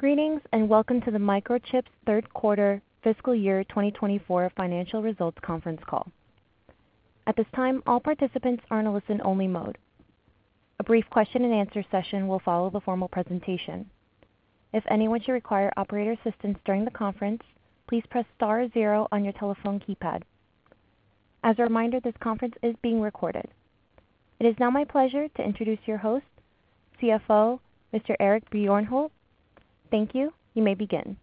Greetings, and welcome to Microchip's Third Quarter Fiscal Year 2024 Financial Results Conference Call. At this time, all participants are in a listen-only mode. A brief question and answer session will follow the formal presentation. If anyone should require operator assistance during the conference, please press star zero on your telephone keypad. As a reminder, this conference is being recorded. It is now my pleasure to introduce your host, CFO, Mr. Eric Bjornholt. Thank you. You may begin.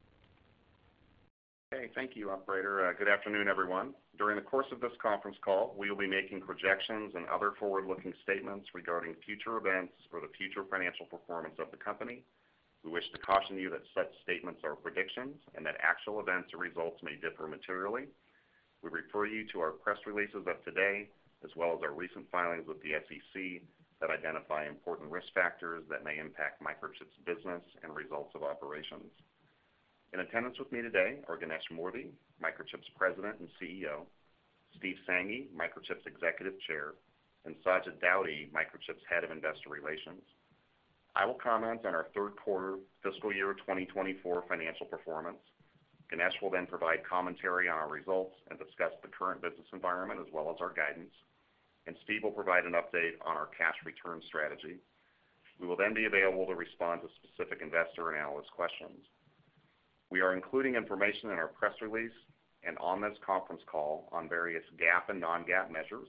Okay, thank you, operator. Good afternoon, everyone. During the course of this conference call, we will be making projections and other forward-looking statements regarding future events or the future financial performance of the company. We wish to caution you that such statements are predictions and that actual events or results may differ materially. We refer you to our press releases of today, as well as our recent filings with the SEC, that identify important risk factors that may impact Microchip's business and results of operations. In attendance with me today are Ganesh Moorthy, Microchip's President and CEO; Steve Sanghi, Microchip's Executive Chair; and Sajid Daudi, Microchip's Head of Investor Relations. I will comment on our third quarter fiscal year 2024 financial performance. Ganesh will then provide commentary on our results and discuss the current business environment as well as our guidance, and Steve will provide an update on our cash return strategy. We will then be available to respond to specific investor and analyst questions. We are including information in our press release and on this conference call on various GAAP and Non-GAAP measures.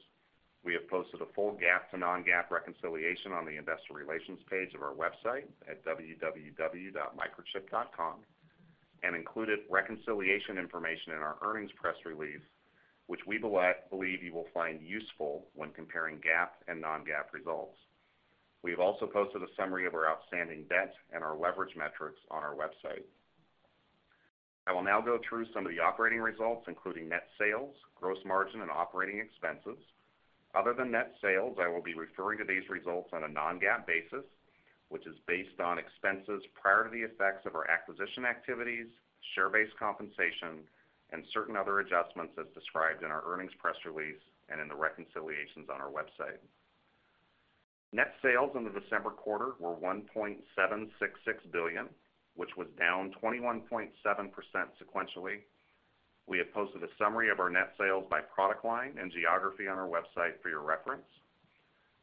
We have posted a full GAAP to non-GAAP reconciliation on the investor relations page of our website at www.microchip.com, and included reconciliation information in our earnings press release, which we believe you will find useful when comparing GAAP and non-GAAP results. We've also posted a summary of our outstanding debt and our leverage metrics on our website. I will now go through some of the operating results, including net sales, gross margin, and operating expenses. Other than net sales, I will be referring to these results on a non-GAAP basis, which is based on expenses prior to the effects of our acquisition activities, share-based compensation, and certain other adjustments as described in our earnings press release and in the reconciliations on our website. Net sales in the December quarter were $1.766 billion, which was down 21.7% sequentially. We have posted a summary of our net sales by product line and geography on our website for your reference.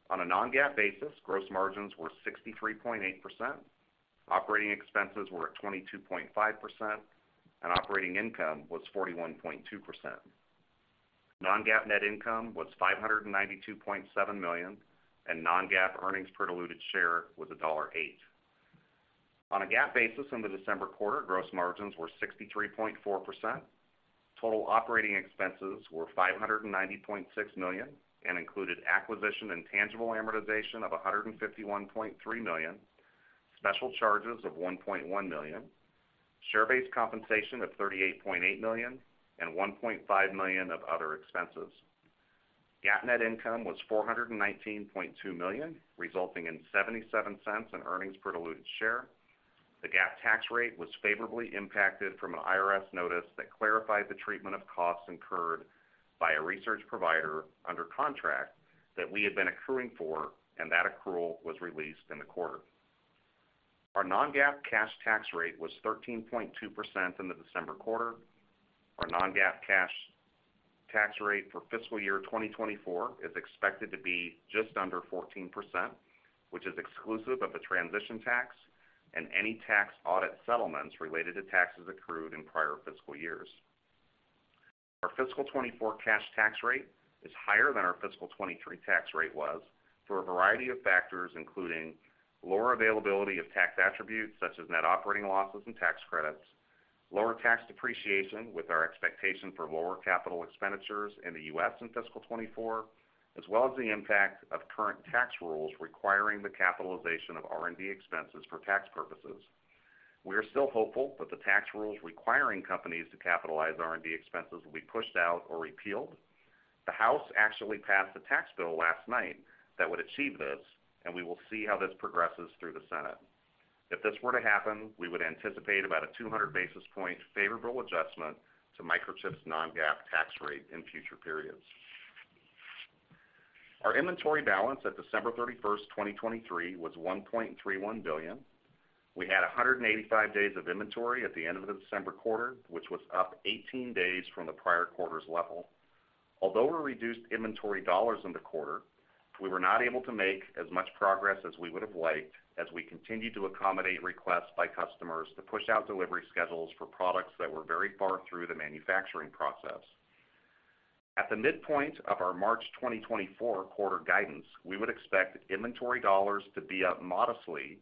On a non-GAAP basis, gross margins were 63.8%, operating expenses were at 22.5%, and operating income was 41.2%. Non-GAAP net income was $592.7 million, and non-GAAP earnings per diluted share was $1.08. On a GAAP basis, in the December quarter, gross margins were 63.4%, total operating expenses were $590.6 million and included acquisition and tangible amortization of $151.3 million, special charges of $1.1 million, share-based compensation of $38.8 million, and $1.5 million of other expenses. GAAP net income was $419.2 million, resulting in $0.77 in earnings per diluted share. The GAAP tax rate was favorably impacted from an IRS notice that clarified the treatment of costs incurred by a research provider under contract that we had been accruing for, and that accrual was released in the quarter. Our non-GAAP cash tax rate was 13.2% in the December quarter. Our non-GAAP cash tax rate for fiscal year 2024 is expected to be just under 14%, which is exclusive of a transition tax and any tax audit settlements related to taxes accrued in prior fiscal years. Our fiscal 2024 cash tax rate is higher than our fiscal 2023 tax rate was for a variety of factors, including lower availability of tax attributes, such as net operating losses and tax credits, lower tax depreciation, with our expectation for lower capital expenditures in the U.S. in fiscal 2024, as well as the impact of current tax rules requiring the capitalization of R&D expenses for tax purposes. We are still hopeful that the tax rules requiring companies to capitalize R&D expenses will be pushed out or repealed. The House actually passed a tax bill last night that would achieve this, and we will see how this progresses through the Senate. If this were to happen, we would anticipate about a 200 basis point favorable adjustment to Microchip's non-GAAP tax rate in future periods. Our inventory balance at December 31, 2023, was $1.31 billion. We had 185 days of inventory at the end of the December quarter, which was up 18 days from the prior quarter's level. Although we reduced inventory dollars in the quarter, we were not able to make as much progress as we would have liked as we continued to accommodate requests by customers to push out delivery schedules for products that were very far through the manufacturing process. At the midpoint of our March 2024 quarter guidance, we would expect inventory dollars to be up modestly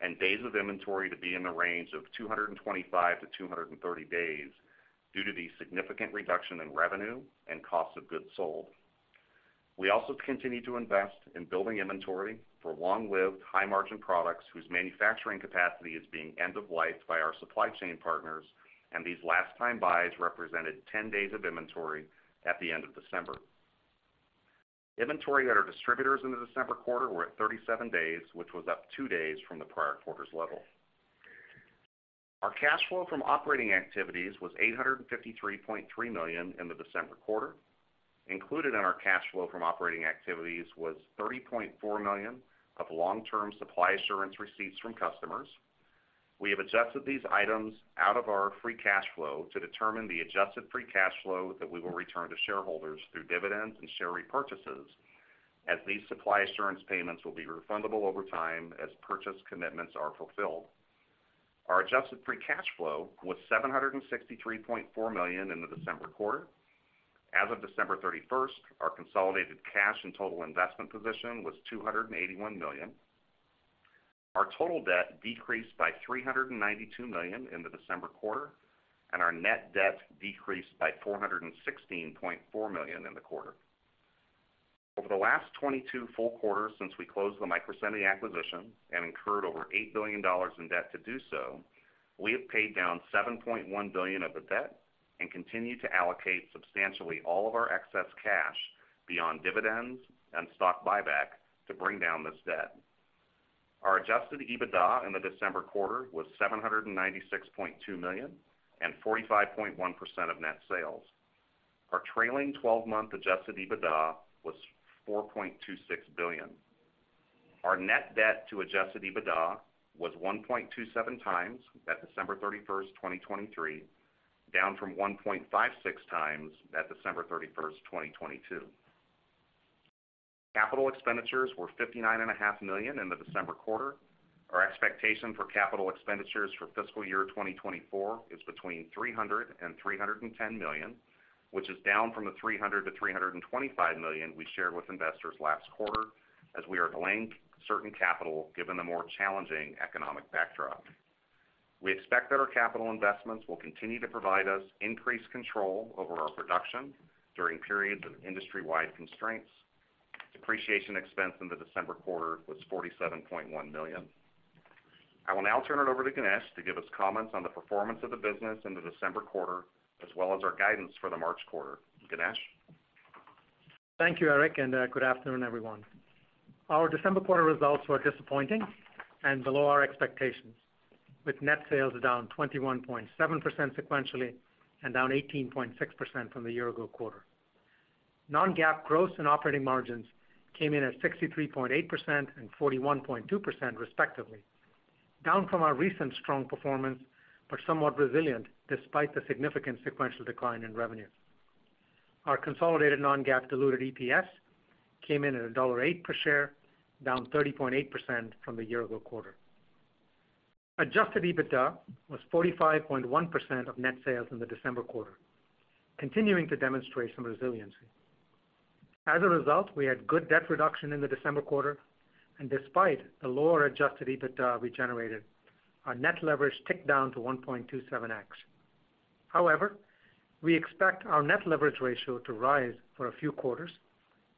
and days of inventory to be in the range of 225-230 days due to the significant reduction in revenue and cost of goods sold. We also continue to invest in building inventory for long-lived, high-margin products whose manufacturing capacity is being end-of-lifed by our supply chain partners, and these last-time buys represented 10 days of inventory at the end of December. Inventory at our distributors in the December quarter were at 37 days, which was up 2 days from the prior quarter's level. Our cash flow from operating activities was $853.3 million in the December quarter. Included in our cash flow from operating activities was $30.4 million of long-term supply assurance receipts from customers. We have adjusted these items out of our free cash flow to determine the Adjusted Free Cash Flow that we will return to shareholders through dividends and share repurchases, as these supply assurance payments will be refundable over time as purchase commitments are fulfilled. Our Adjusted Free Cash Flow was $763.4 million in the December quarter. As of December 31st, our consolidated cash and total investment position was $281 million. Our total debt decreased by $392 million in the December quarter, and our net debt decreased by $416.4 million in the quarter. Over the last 22 full quarters since we closed the Microsemi acquisition and incurred over $8 billion in debt to do so, we have paid down $7.1 billion of the debt and continue to allocate substantially all of our excess cash beyond dividends and stock buyback to bring down this debt. Our adjusted EBITDA in the December quarter was $796.2 million and 45.1% of net sales. Our trailing twelve-month adjusted EBITDA was $4.26 billion. Our net debt to adjusted EBITDA was 1.27 times at December 31, 2023, down from 1.56 times at December 31, 2022. Capital expenditures were $59.5 million in the December quarter. Our expectation for capital expenditures for fiscal year 2024 is between $300 million and $310 million, which is down from the $300 million to $325 million we shared with investors last quarter, as we are delaying certain capital, given the more challenging economic backdrop. We expect that our capital investments will continue to provide us increased control over our production during periods of industry-wide constraints. Depreciation expense in the December quarter was $47.1 million. I will now turn it over to Ganesh to give us comments on the performance of the business in the December quarter, as well as our guidance for the March quarter. Ganesh? Thank you, Eric, and good afternoon, everyone. Our December quarter results were disappointing and below our expectations, with net sales down 21.7% sequentially and down 18.6% from the year-ago quarter. Non-GAAP gross and operating margins came in at 63.8% and 41.2% respectively, down from our recent strong performance, but somewhat resilient despite the significant sequential decline in revenue. Our consolidated non-GAAP diluted EPS came in at $1.08 per share, down 30.8% from the year-ago quarter. Adjusted EBITDA was 45.1% of net sales in the December quarter, continuing to demonstrate some resiliency. As a result, we had good debt reduction in the December quarter, and despite the lower adjusted EBITDA we generated, our net leverage ticked down to 1.27x. However, we expect our net leverage ratio to rise for a few quarters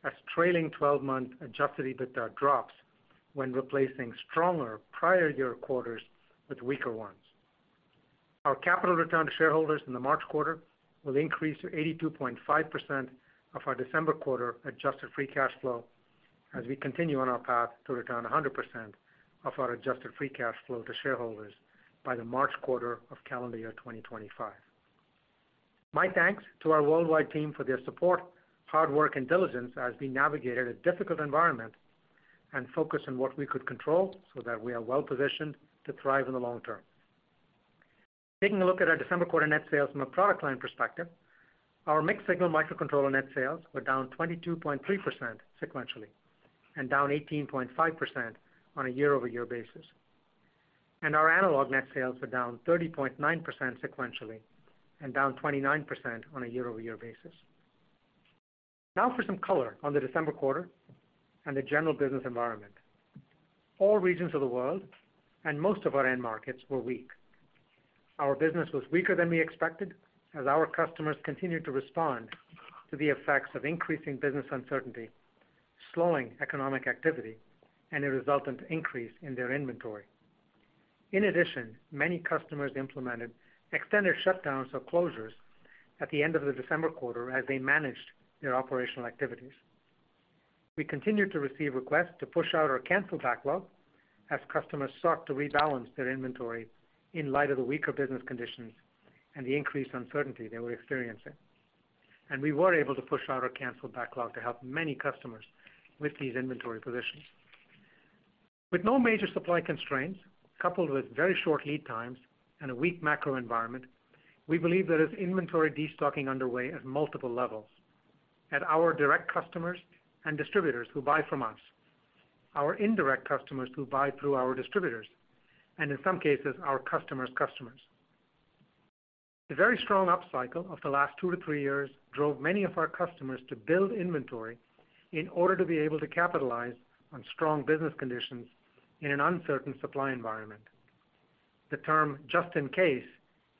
as trailing twelve-month Adjusted EBITDA drops when replacing stronger prior year quarters with weaker ones. Our capital return to shareholders in the March quarter will increase to 82.5% of our December quarter Adjusted Free Cash Flow as we continue on our path to return 100% of our Adjusted Free Cash Flow to shareholders by the March quarter of calendar year 2025. My thanks to our worldwide team for their support, hard work, and diligence as we navigated a difficult environment and focused on what we could control so that we are well positioned to thrive in the long term. Taking a look at our December quarter net sales from a product line perspective, our mixed-signal microcontroller net sales were down 22.3% sequentially, and down 18.5% on a year-over-year basis. Our analog net sales were down 30.9% sequentially, and down 29% on a year-over-year basis. Now for some color on the December quarter and the general business environment. All regions of the world and most of our end markets were weak. Our business was weaker than we expected, as our customers continued to respond to the effects of increasing business uncertainty, slowing economic activity, and a resultant increase in their inventory. In addition, many customers implemented extended shutdowns or closures at the end of the December quarter as they managed their operational activities. We continued to receive requests to push out or cancel backlog as customers sought to rebalance their inventory in light of the weaker business conditions and the increased uncertainty they were experiencing. We were able to push out or cancel backlog to help many customers with these inventory positions. With no major supply constraints, coupled with very short lead times and a weak macro environment, we believe there is inventory destocking underway at multiple levels: at our direct customers and distributors who buy from us, our indirect customers who buy through our distributors, and in some cases, our customers' customers. The very strong upcycle of the last 2-3 years drove many of our customers to build inventory in order to be able to capitalize on strong business conditions in an uncertain supply environment. The term just in case,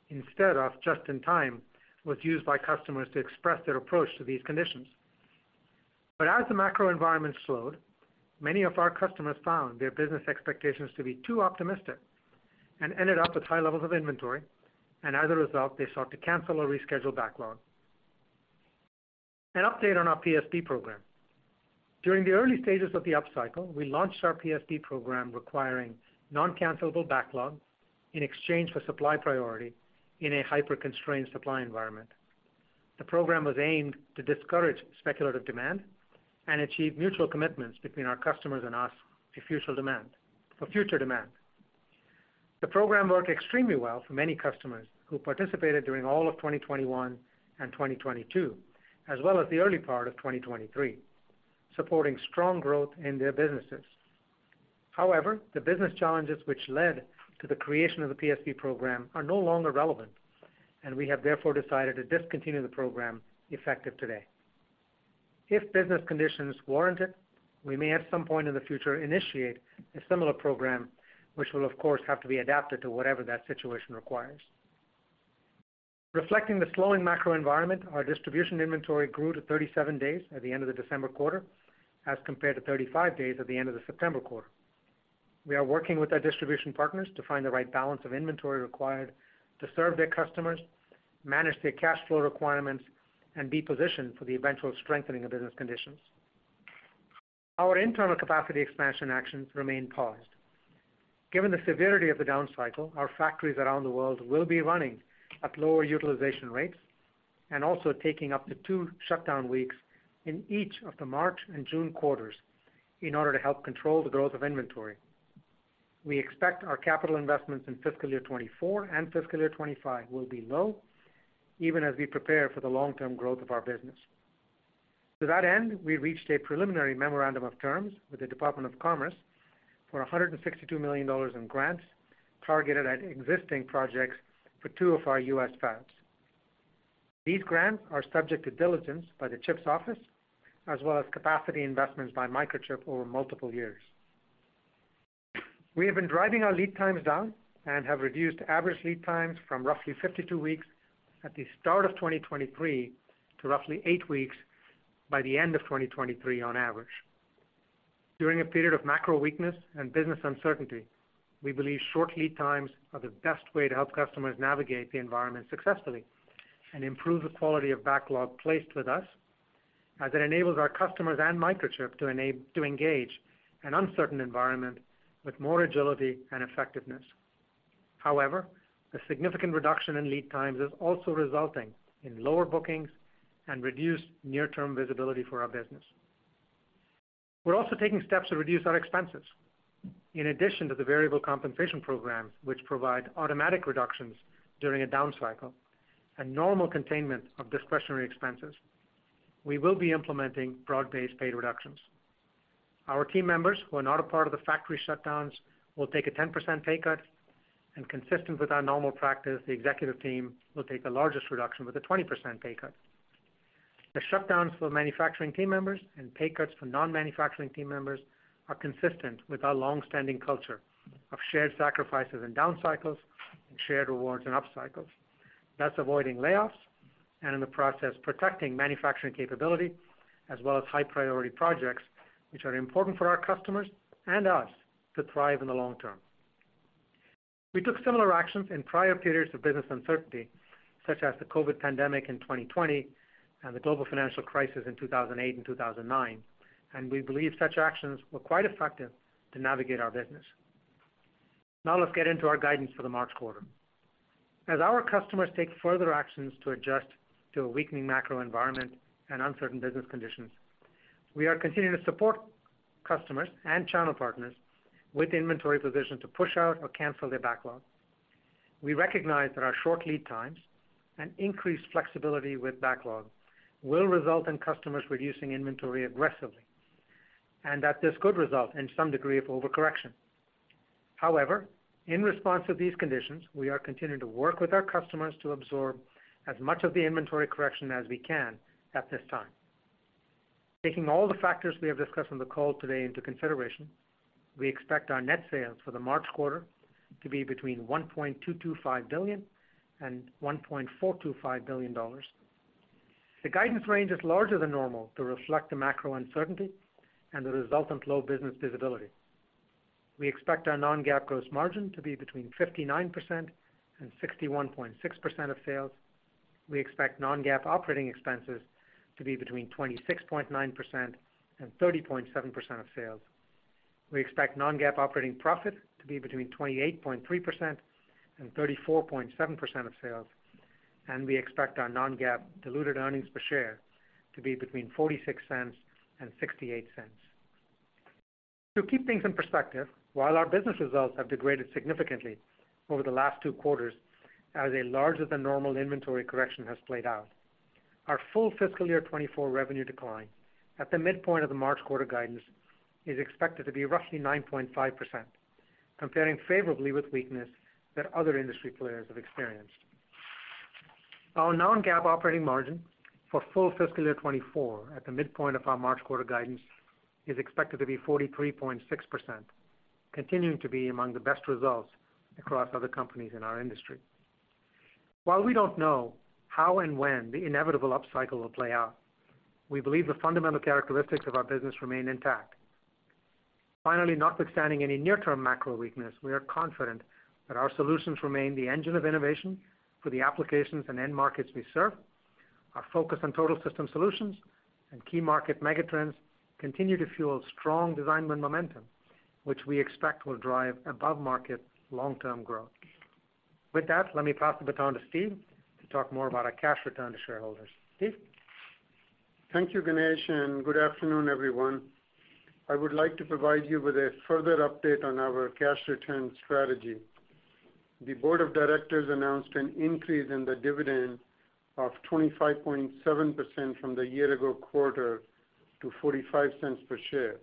instead of just in time, was used by customers to express their approach to these conditions. But as the macro environment slowed, many of our customers found their business expectations to be too optimistic and ended up with high levels of inventory, and as a result, they sought to cancel or reschedule backlog. An update on our PSP program. During the early stages of the upcycle, we launched our PSP program requiring non-cancelable backlog in exchange for supply priority in a hyper-constrained supply environment. The program was aimed to discourage speculative demand and achieve mutual commitments between our customers and us for future demand, for future demand. The program worked extremely well for many customers who participated during all of 2021 and 2022, as well as the early part of 2023, supporting strong growth in their businesses. However, the business challenges which led to the creation of the PSP program are no longer relevant, and we have therefore decided to discontinue the program effective today. If business conditions warrant it, we may, at some point in the future, initiate a similar program, which will, of course, have to be adapted to whatever that situation requires. Reflecting the slowing macro environment, our distribution inventory grew to 37 days at the end of the December quarter, as compared to 35 days at the end of the September quarter. We are working with our distribution partners to find the right balance of inventory required to serve their customers, manage their cash flow requirements, and be positioned for the eventual strengthening of business conditions. Our internal capacity expansion actions remain paused. Given the severity of the downcycle, our factories around the world will be running at lower utilization rates and also taking up to 2 shutdown weeks in each of the March and June quarters in order to help control the growth of inventory. We expect our capital investments in fiscal year 2024 and fiscal year 2025 will be low, even as we prepare for the long-term growth of our business. To that end, we reached a preliminary memorandum of terms with the Department of Commerce for $162 million in grants, targeted at existing projects for 2 of our U.S. fabs. These grants are subject to diligence by the CHIPS Office, as well as capacity investments by Microchip over multiple years. We have been driving our lead times down and have reduced average lead times from roughly 52 weeks at the start of 2023 to roughly 8 weeks by the end of 2023 on average. During a period of macro weakness and business uncertainty, we believe short lead times are the best way to help customers navigate the environment successfully and improve the quality of backlog placed with us, as it enables our customers and Microchip to engage an uncertain environment with more agility and effectiveness. However, a significant reduction in lead times is also resulting in lower bookings and reduced near-term visibility for our business. We're also taking steps to reduce our expenses. In addition to the variable compensation program, which provide automatic reductions during a downcycle and normal containment of discretionary expenses, we will be implementing broad-based pay reductions. Our team members who are not a part of the factory shutdowns will take a 10% pay cut, and consistent with our normal practice, the executive team will take the largest reduction with a 20% pay cut. The shutdowns for manufacturing team members and pay cuts for non-manufacturing team members are consistent with our long-standing culture of shared sacrifices in downcycles and shared rewards in upcycles. That's avoiding layoffs and, in the process, protecting manufacturing capability, as well as high-priority projects, which are important for our customers and us to thrive in the long term. We took similar actions in prior periods of business uncertainty, such as the COVID pandemic in 2020 and the global financial crisis in 2008 and 2009, and we believe such actions were quite effective to navigate our business. Now let's get into our guidance for the March quarter. As our customers take further actions to adjust to a weakening macro environment and uncertain business conditions, we are continuing to support customers and channel partners with inventory positions to push out or cancel their backlog. We recognize that our short lead times and increased flexibility with backlog will result in customers reducing inventory aggressively, and that this could result in some degree of overcorrection. However, in response to these conditions, we are continuing to work with our customers to absorb as much of the inventory correction as we can at this time. Taking all the factors we have discussed on the call today into consideration, we expect our net sales for the March quarter to be between $1.225 billion and $1.425 billion. The guidance range is larger than normal to reflect the macro uncertainty and the resultant low business visibility. We expect our non-GAAP gross margin to be between 59% and 61.6% of sales. We expect non-GAAP operating expenses to be between 26.9% and 30.7% of sales. We expect non-GAAP operating profit to be between 28.3% and 34.7% of sales, and we expect our non-GAAP diluted earnings per share to be between $0.46 and $0.68. To keep things in perspective, while our business results have degraded significantly over the last two quarters as a larger than normal inventory correction has played out, our full fiscal year 2024 revenue decline at the midpoint of the March quarter guidance is expected to be roughly 9.5%, comparing favorably with weakness that other industry players have experienced. Our non-GAAP operating margin for full fiscal year 2024, at the midpoint of our March quarter guidance, is expected to be 43.6%, continuing to be among the best results across other companies in our industry. While we don't know how and when the inevitable upcycle will play out, we believe the fundamental characteristics of our business remain intact.... Finally, notwithstanding any near-term macro weakness, we are confident that our solutions remain the engine of innovation for the applications and end markets we serve. Our focus on total system solutions and key market megatrends continue to fuel strong design win momentum, which we expect will drive above-market long-term growth. With that, let me pass the baton to Steve to talk more about our cash return to shareholders. Steve? Thank you, Ganesh, and good afternoon, everyone. I would like to provide you with a further update on our cash return strategy. The board of directors announced an increase in the dividend of 25.7% from the year ago quarter to $0.45 per share.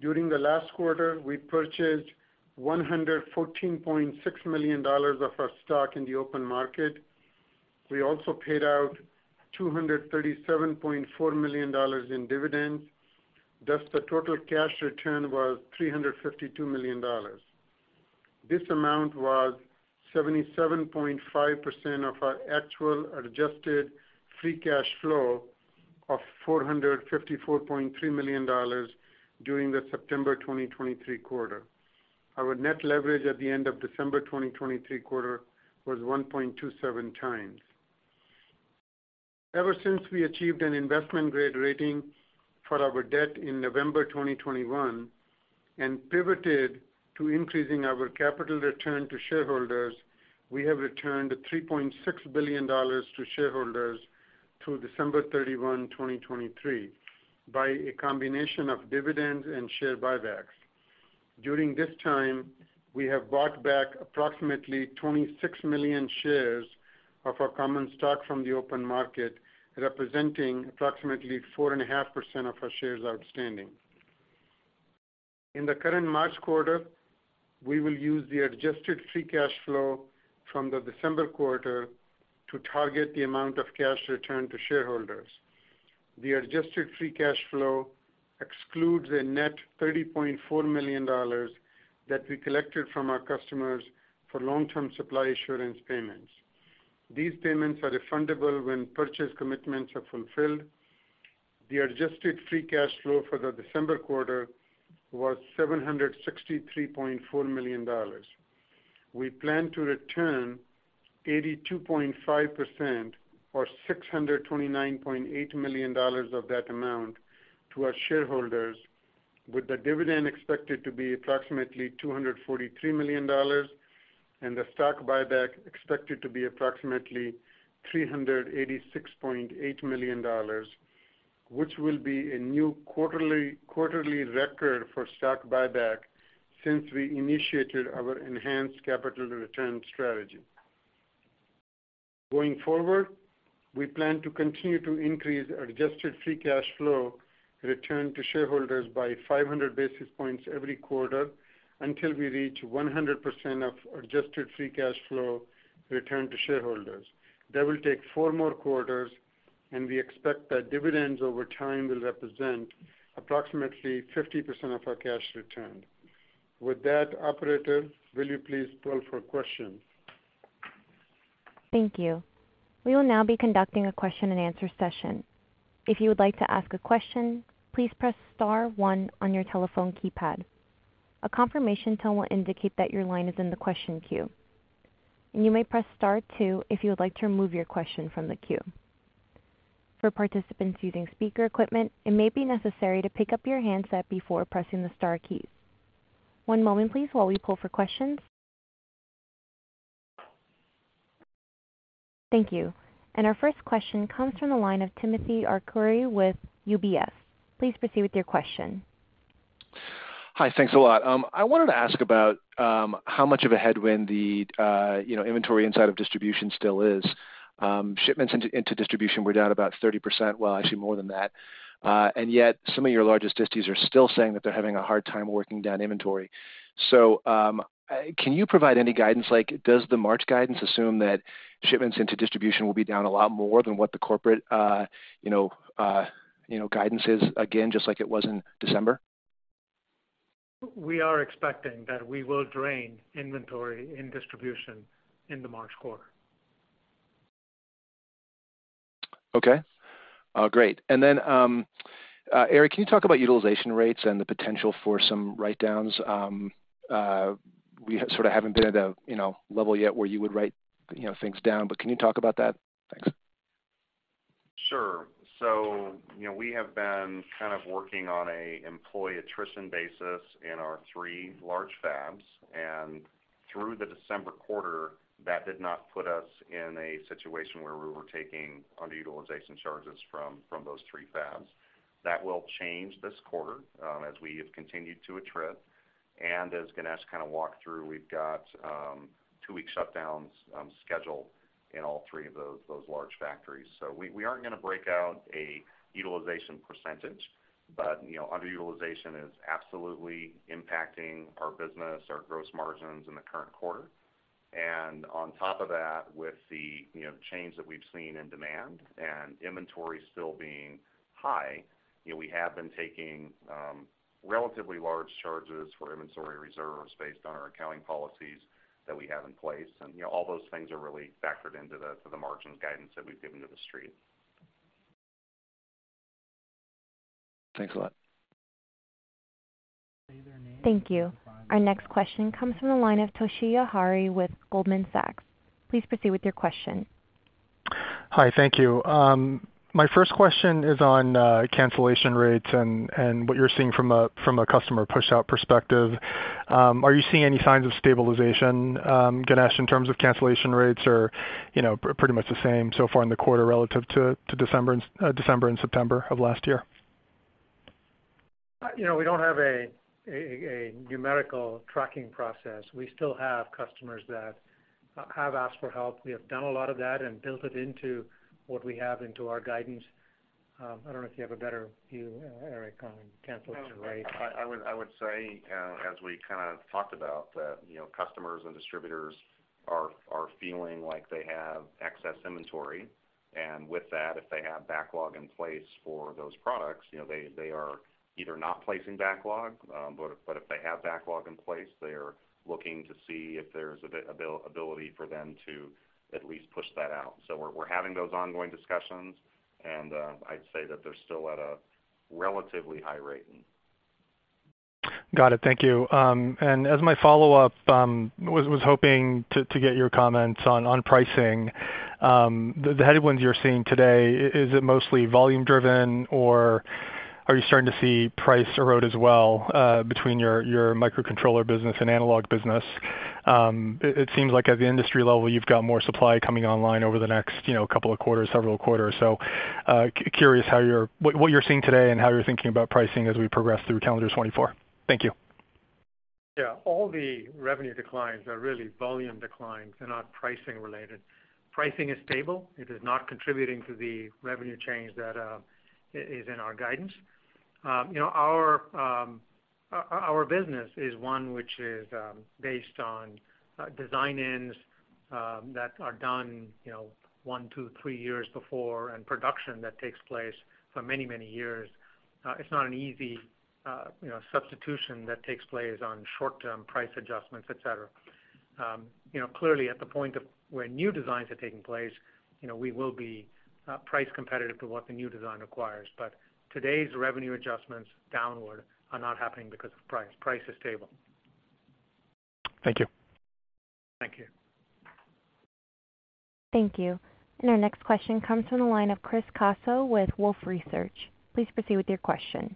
During the last quarter, we purchased $114.6 million of our stock in the open market. We also paid out $237.4 million in dividends, thus the total cash return was $352 million. This amount was 77.5% of our actual Adjusted Free Cash Flow of $454.3 million during the September 2023 quarter. Our net leverage at the end of December 2023 quarter was 1.27 times. Ever since we achieved an investment-grade rating for our debt in November 2021 and pivoted to increasing our capital return to shareholders, we have returned $3.6 billion to shareholders through December 31, 2023, by a combination of dividends and share buybacks. During this time, we have bought back approximately 26 million shares of our common stock from the open market, representing approximately 4.5% of our shares outstanding. In the current March quarter, we will use the Adjusted Free Cash Flow from the December quarter to target the amount of cash returned to shareholders. The Adjusted Free Cash Flow excludes a net $30.4 million that we collected from our customers for long-term supply assurance payments. These payments are refundable when purchase commitments are fulfilled. The Adjusted Free Cash Flow for the December quarter was $763.4 million. We plan to return 82.5%, or $629.8 million of that amount to our shareholders, with the dividend expected to be approximately $243 million, and the stock buyback expected to be approximately $386.8 million, which will be a new quarterly record for stock buyback since we initiated our enhanced capital return strategy. Going forward, we plan to continue to increase our Adjusted Free Cash Flow return to shareholders by 500 basis points every quarter until we reach 100% of Adjusted Free Cash Flow returned to shareholders. That will take four more quarters, and we expect that dividends over time will represent approximately 50% of our cash return. With that, operator, will you please pull for questions? Thank you. We will now be conducting a question-and-answer session. If you would like to ask a question, please press star one on your telephone keypad. A confirmation tone will indicate that your line is in the question queue, and you may press star two if you would like to remove your question from the queue. For participants using speaker equipment, it may be necessary to pick up your handset before pressing the star keys. One moment, please, while we pull for questions. Thank you. Our first question comes from the line of Timothy Arcuri with UBS. Please proceed with your question. Hi, thanks a lot. I wanted to ask about how much of a headwind the, you know, inventory inside of distribution still is. Shipments into distribution were down about 30%, well, actually more than that, and yet some of your largest disties are still saying that they're having a hard time working down inventory. So, can you provide any guidance, like does the March guidance assume that shipments into distribution will be down a lot more than what the corporate, you know, guidance is again, just like it was in December? We are expecting that we will drain inventory in distribution in the March quarter. Okay. Great. And then, Eric, can you talk about utilization rates and the potential for some write-downs? We sort of haven't been at a, you know, level yet where you would write, you know, things down, but can you talk about that? Thanks. Sure. So, you know, we have been kind of working on an employee attrition basis in our three large fabs, and through the December quarter, that did not put us in a situation where we were taking underutilization charges from those three fabs. That will change this quarter, as we have continued to attrit, and as Ganesh kind of walked through, we've got two-week shutdowns scheduled in all three of those large factories. So we aren't going to break out a utilization percentage, but, you know, underutilization is absolutely impacting our business, our gross margins in the current quarter. And on top of that, with the, you know, change that we've seen in demand and inventory still being high, you know, we have been taking relatively large charges for inventory reserves based on our accounting policies that we have in place. You know, all those things are really factored into the margins guidance that we've given to the street. Thanks a lot. Thank you. Our next question comes from the line of Toshiya Hari with Goldman Sachs. Please proceed with your question. Hi, thank you. My first question is on cancellation rates and what you're seeing from a customer pushout perspective. Are you seeing any signs of stabilization, Ganesh, in terms of cancellation rates, or, you know, pretty much the same so far in the quarter relative to December and September of last year? You know, we don't have a numerical tracking process. We still have customers that have asked for help. We have done a lot of that and built it into what we have into our guidance. I don't know if you have a better view, Eric, on cancellation rates. I would say, as we kind of talked about, that, you know, customers and distributors are feeling like they have excess inventory. And with that, if they have backlog in place for those products, you know, they are either not placing backlog, but if they have backlog in place, they are looking to see if there's availability for them to at least push that out. So we're having those ongoing discussions, and I'd say that they're still at a relatively high rate. Got it. Thank you. And as my follow-up, was hoping to get your comments on pricing. The headwind you're seeing today, is it mostly volume driven, or are you starting to see price erode as well, between your microcontroller business and analog business? It seems like at the industry level, you've got more supply coming online over the next, you know, couple of quarters, several quarters. So, curious how you're what you're seeing today and how you're thinking about pricing as we progress through calendar 2024. Thank you. Yeah, all the revenue declines are really volume declines and not pricing related. Pricing is stable. It is not contributing to the revenue change that is in our guidance. You know, our business is one which is based on design-ins that are done, you know, 1, 2, 3 years before, and production that takes place for many, many years. It's not an easy, you know, substitution that takes place on short-term price adjustments, et cetera. You know, clearly, at the point of where new designs are taking place, you know, we will be price competitive to what the new design requires. But today's revenue adjustments downward are not happening because of price. Price is stable. Thank you. Thank you. Thank you. And our next question comes from the line of Chris Caso with Wolfe Research. Please proceed with your question.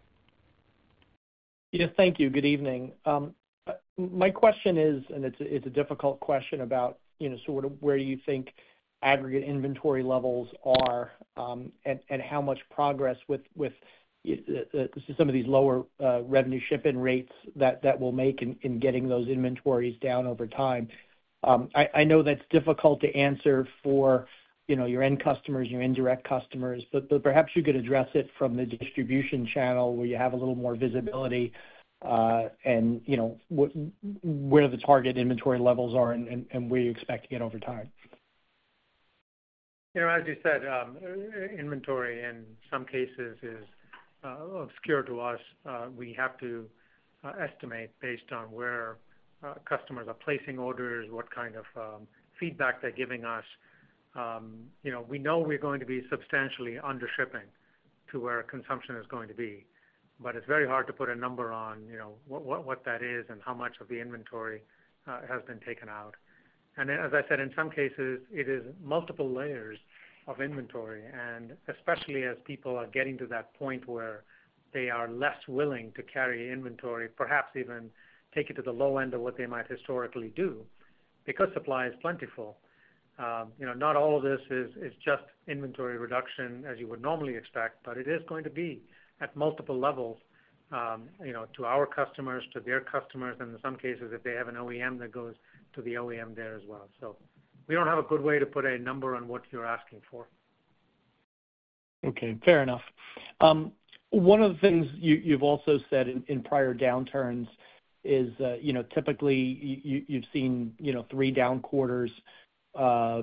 Yeah, thank you. Good evening. My question is, and it's a, it's a difficult question about, you know, sort of where you think aggregate inventory levels are, and how much progress with some of these lower revenue shipping rates that will make in getting those inventories down over time. I know that's difficult to answer for, you know, your end customers, your indirect customers, but perhaps you could address it from the distribution channel, where you have a little more visibility, and you know, where the target inventory levels are and where you expect to get over time. You know, as you said, inventory in some cases is obscure to us. We have to estimate based on where customers are placing orders, what kind of feedback they're giving us. You know, we know we're going to be substantially under shipping to where consumption is going to be, but it's very hard to put a number on, you know, what, what, what that is and how much of the inventory has been taken out. And then, as I said, in some cases, it is multiple layers of inventory, and especially as people are getting to that point where they are less willing to carry inventory, perhaps even take it to the low end of what they might historically do, because supply is plentiful. You know, not all of this is just inventory reduction as you would normally expect, but it is going to be at multiple levels, you know, to our customers, to their customers, and in some cases, if they have an OEM, that goes to the OEM there as well. So we don't have a good way to put a number on what you're asking for. Okay, fair enough. One of the things you, you've also said in, in prior downturns is that, you know, typically you, you, you've seen, you know, three down quarters,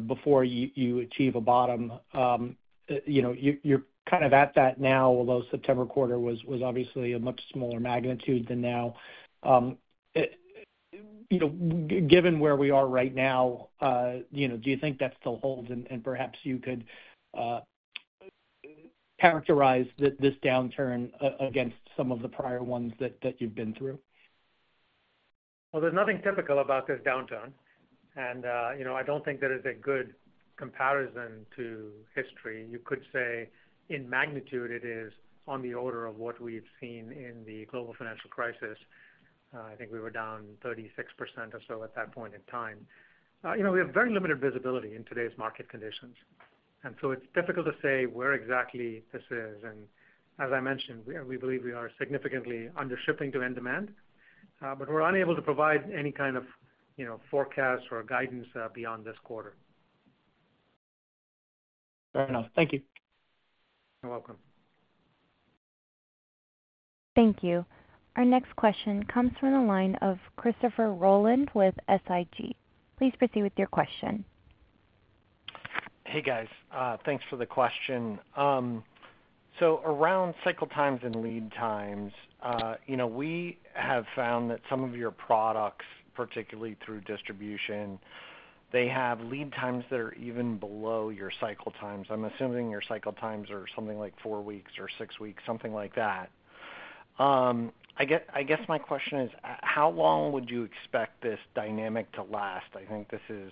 before you, you achieve a bottom. You know, you're, you're kind of at that now, although September quarter was, was obviously a much smaller magnitude than now. You know, given where we are right now, you know, do you think that still holds? And, and perhaps you could, characterize this downturn against some of the prior ones that, that you've been through. Well, there's nothing typical about this downturn, and, you know, I don't think there is a good comparison to history. You could say in magnitude, it is on the order of what we've seen in the global financial crisis. I think we were down 36% or so at that point in time. You know, we have very limited visibility in today's market conditions, and so it's difficult to say where exactly this is. And as I mentioned, we, we believe we are significantly under shipping to end demand, but we're unable to provide any kind of, you know, forecast or guidance, beyond this quarter. Fair enough. Thank you. You're welcome. Thank you. Our next question comes from the line of Christopher Rolland with SIG. Please proceed with your question. Hey, guys. Thanks for the question. So around cycle times and lead times, you know, we have found that some of your products, particularly through distribution,... they have lead times that are even below your cycle times. I'm assuming your cycle times are something like 4 weeks or 6 weeks, something like that. I guess my question is, how long would you expect this dynamic to last? I think this is,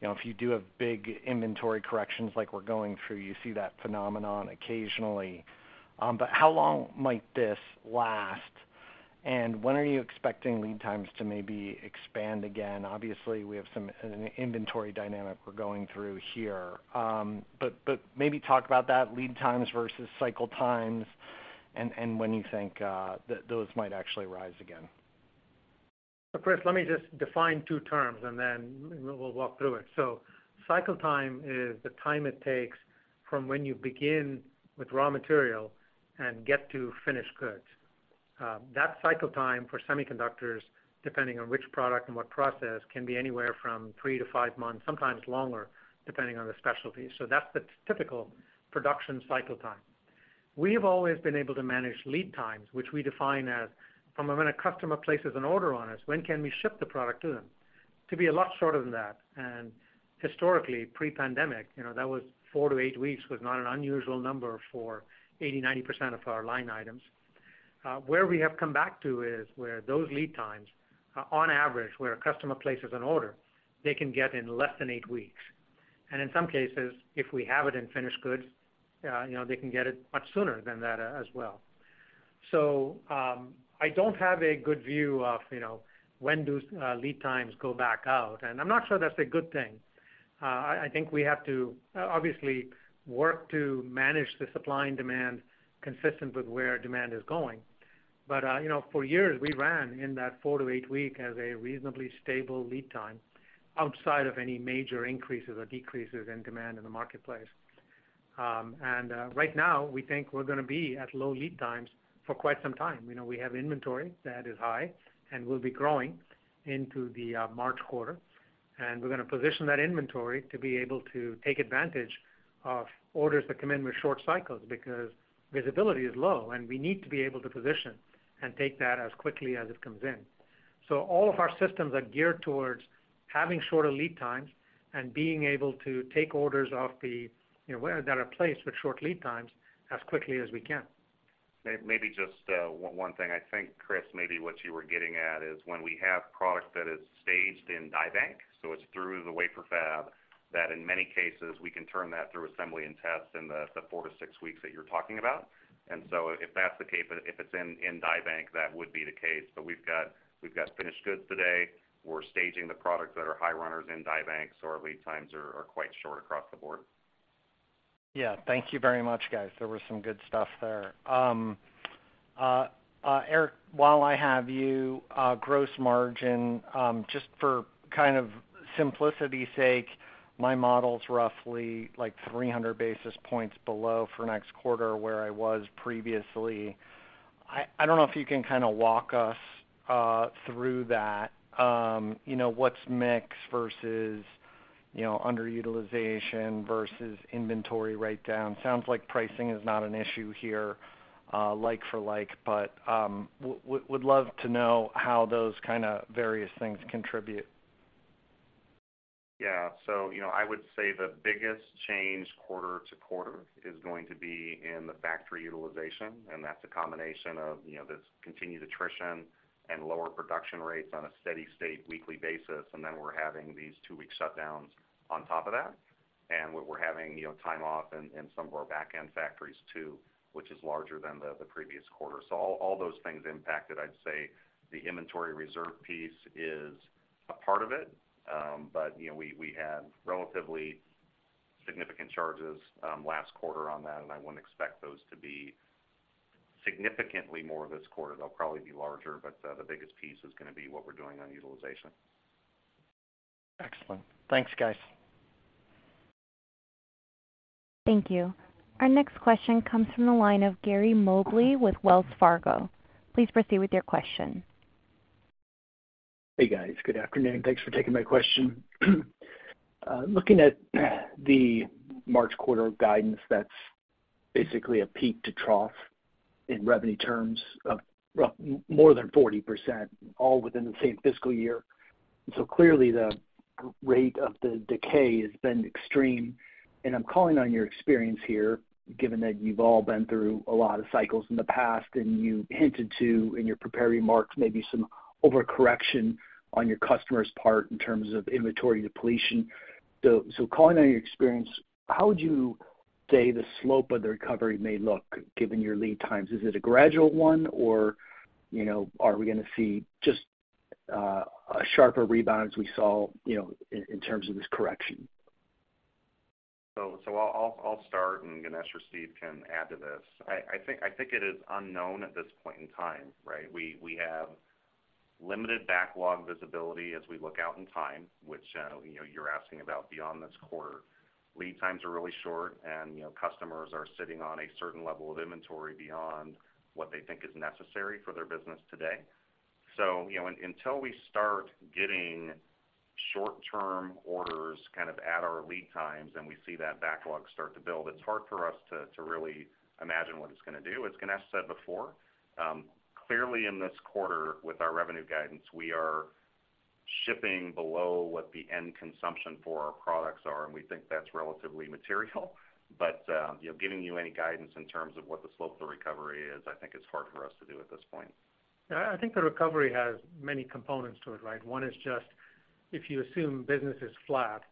you know, if you do have big inventory corrections like we're going through, you see that phenomenon occasionally. But how long might this last, and when are you expecting lead times to maybe expand again? Obviously, we have some, an inventory dynamic we're going through here. But, but maybe talk about that, lead times versus cycle times, and when you think that those might actually rise again. So Chris, let me just define two terms, and then we'll walk through it. Cycle time is the time it takes from when you begin with raw material and get to finished goods. That cycle time for semiconductors, depending on which product and what process, can be anywhere from 3-5 months, sometimes longer, depending on the specialty. So that's the typical production cycle time. We have always been able to manage lead times, which we define as from when a customer places an order on us, when can we ship the product to them? To be a lot shorter than that, and historically, pre-pandemic, you know, that was 4-8 weeks, was not an unusual number for 80%-90% of our line items. Where we have come back to is where those lead times are, on average, where a customer places an order, they can get in less than 8 weeks. And in some cases, if we have it in finished goods, you know, they can get it much sooner than that, as well. So, I don't have a good view of, you know, when do lead times go back out? And I'm not sure that's a good thing. I think we have to, obviously work to manage the supply and demand consistent with where demand is going. But, you know, for years, we ran in that 4-8 week as a reasonably stable lead time, outside of any major increases or decreases in demand in the marketplace. Right now, we think we're going to be at low lead times for quite some time. You know, we have inventory that is high and will be growing into the March quarter, and we're going to position that inventory to be able to take advantage of orders that come in with short cycles, because visibility is low, and we need to be able to position and take that as quickly as it comes in. So all of our systems are geared towards having shorter lead times and being able to take orders off the, you know, where that are placed with short lead times as quickly as we can. Maybe just one thing. I think, Chris, maybe what you were getting at is when we have product that is staged in die bank, so it's through the wafer fab, that in many cases, we can turn that through assembly and test in the 4-6 weeks that you're talking about. And so if that's the case, if it's in die bank, that would be the case. But we've got finished goods today. We're staging the products that are high runners in die bank, so our lead times are quite short across the board. Yeah, thank you very much, guys. There was some good stuff there. Eric, while I have you, gross margin, just for kind of simplicity sake, my model's roughly like 300 basis points below for next quarter, where I was previously. I don't know if you can kind of walk us through that. You know, what's mix versus, you know, underutilization versus inventory write-down? Sounds like pricing is not an issue here, like for like, but would love to know how those kind of various things contribute. Yeah. So, you know, I would say the biggest change quarter to quarter is going to be in the factory utilization, and that's a combination of, you know, this continued attrition and lower production rates on a steady state weekly basis, and then we're having these two-week shutdowns on top of that. And we're having, you know, time off in some of our back-end factories, too, which is larger than the previous quarter. So all those things impacted. I'd say the inventory reserve piece is a part of it, but, you know, we had relatively significant charges last quarter on that, and I wouldn't expect those to be significantly more this quarter. They'll probably be larger, but the biggest piece is going to be what we're doing on utilization. Excellent. Thanks, guys. Thank you. Our next question comes from the line of Gary Mobley with Wells Fargo. Please proceed with your question. Hey, guys. Good afternoon. Thanks for taking my question. Looking at the March quarter guidance, that's basically a peak to trough in revenue terms of roughly more than 40%, all within the same fiscal year. So clearly, the rate of the decay has been extreme. And I'm calling on your experience here, given that you've all been through a lot of cycles in the past, and you hinted to, in your prepared remarks, maybe some overcorrection on your customer's part in terms of inventory depletion. So calling on your experience, how would you say the slope of the recovery may look, given your lead times? Is it a gradual one, or, you know, are we going to see just a sharper rebound as we saw, you know, in terms of this correction? So I'll start, and Ganesh or Steve can add to this. I think it is unknown at this point in time, right? We have limited backlog visibility as we look out in time, which, you know, you're asking about beyond this quarter. Lead times are really short, and, you know, customers are sitting on a certain level of inventory beyond what they think is necessary for their business today. So, you know, until we start getting short-term orders kind of at our lead times and we see that backlog start to build, it's hard for us to really imagine what it's going to do. As Ganesh said before, clearly in this quarter, with our revenue guidance, we are- ... shipping below what the end consumption for our products are, and we think that's relatively material. But, you know, giving you any guidance in terms of what the slope of the recovery is, I think it's hard for us to do at this point. Yeah, I think the recovery has many components to it, right? One is just if you assume business is flat,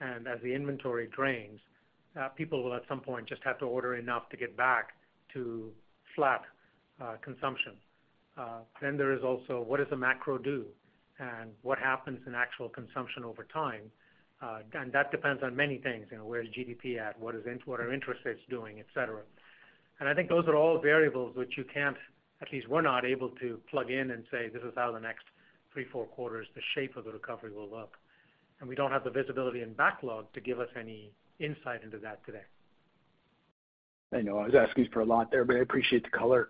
and as the inventory drains, people will, at some point, just have to order enough to get back to flat consumption. Then there is also what does the macro do, and what happens in actual consumption over time? And that depends on many things. You know, where's GDP at? What are interest rates doing, et cetera. And I think those are all variables which you can't, at least we're not able to, plug in and say, "This is how the next three, four quarters, the shape of the recovery will look." And we don't have the visibility and backlog to give us any insight into that today. I know. I was asking for a lot there, but I appreciate the color.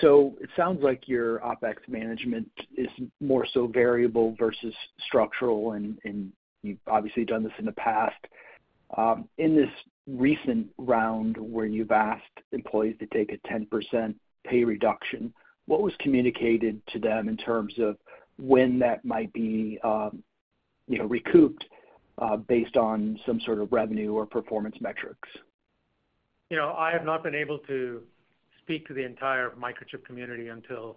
So it sounds like your OpEx management is more so variable versus structural, and you've obviously done this in the past. In this recent round where you've asked employees to take a 10% pay reduction, what was communicated to them in terms of when that might be, you know, recouped, based on some sort of revenue or performance metrics? You know, I have not been able to speak to the entire Microchip community until,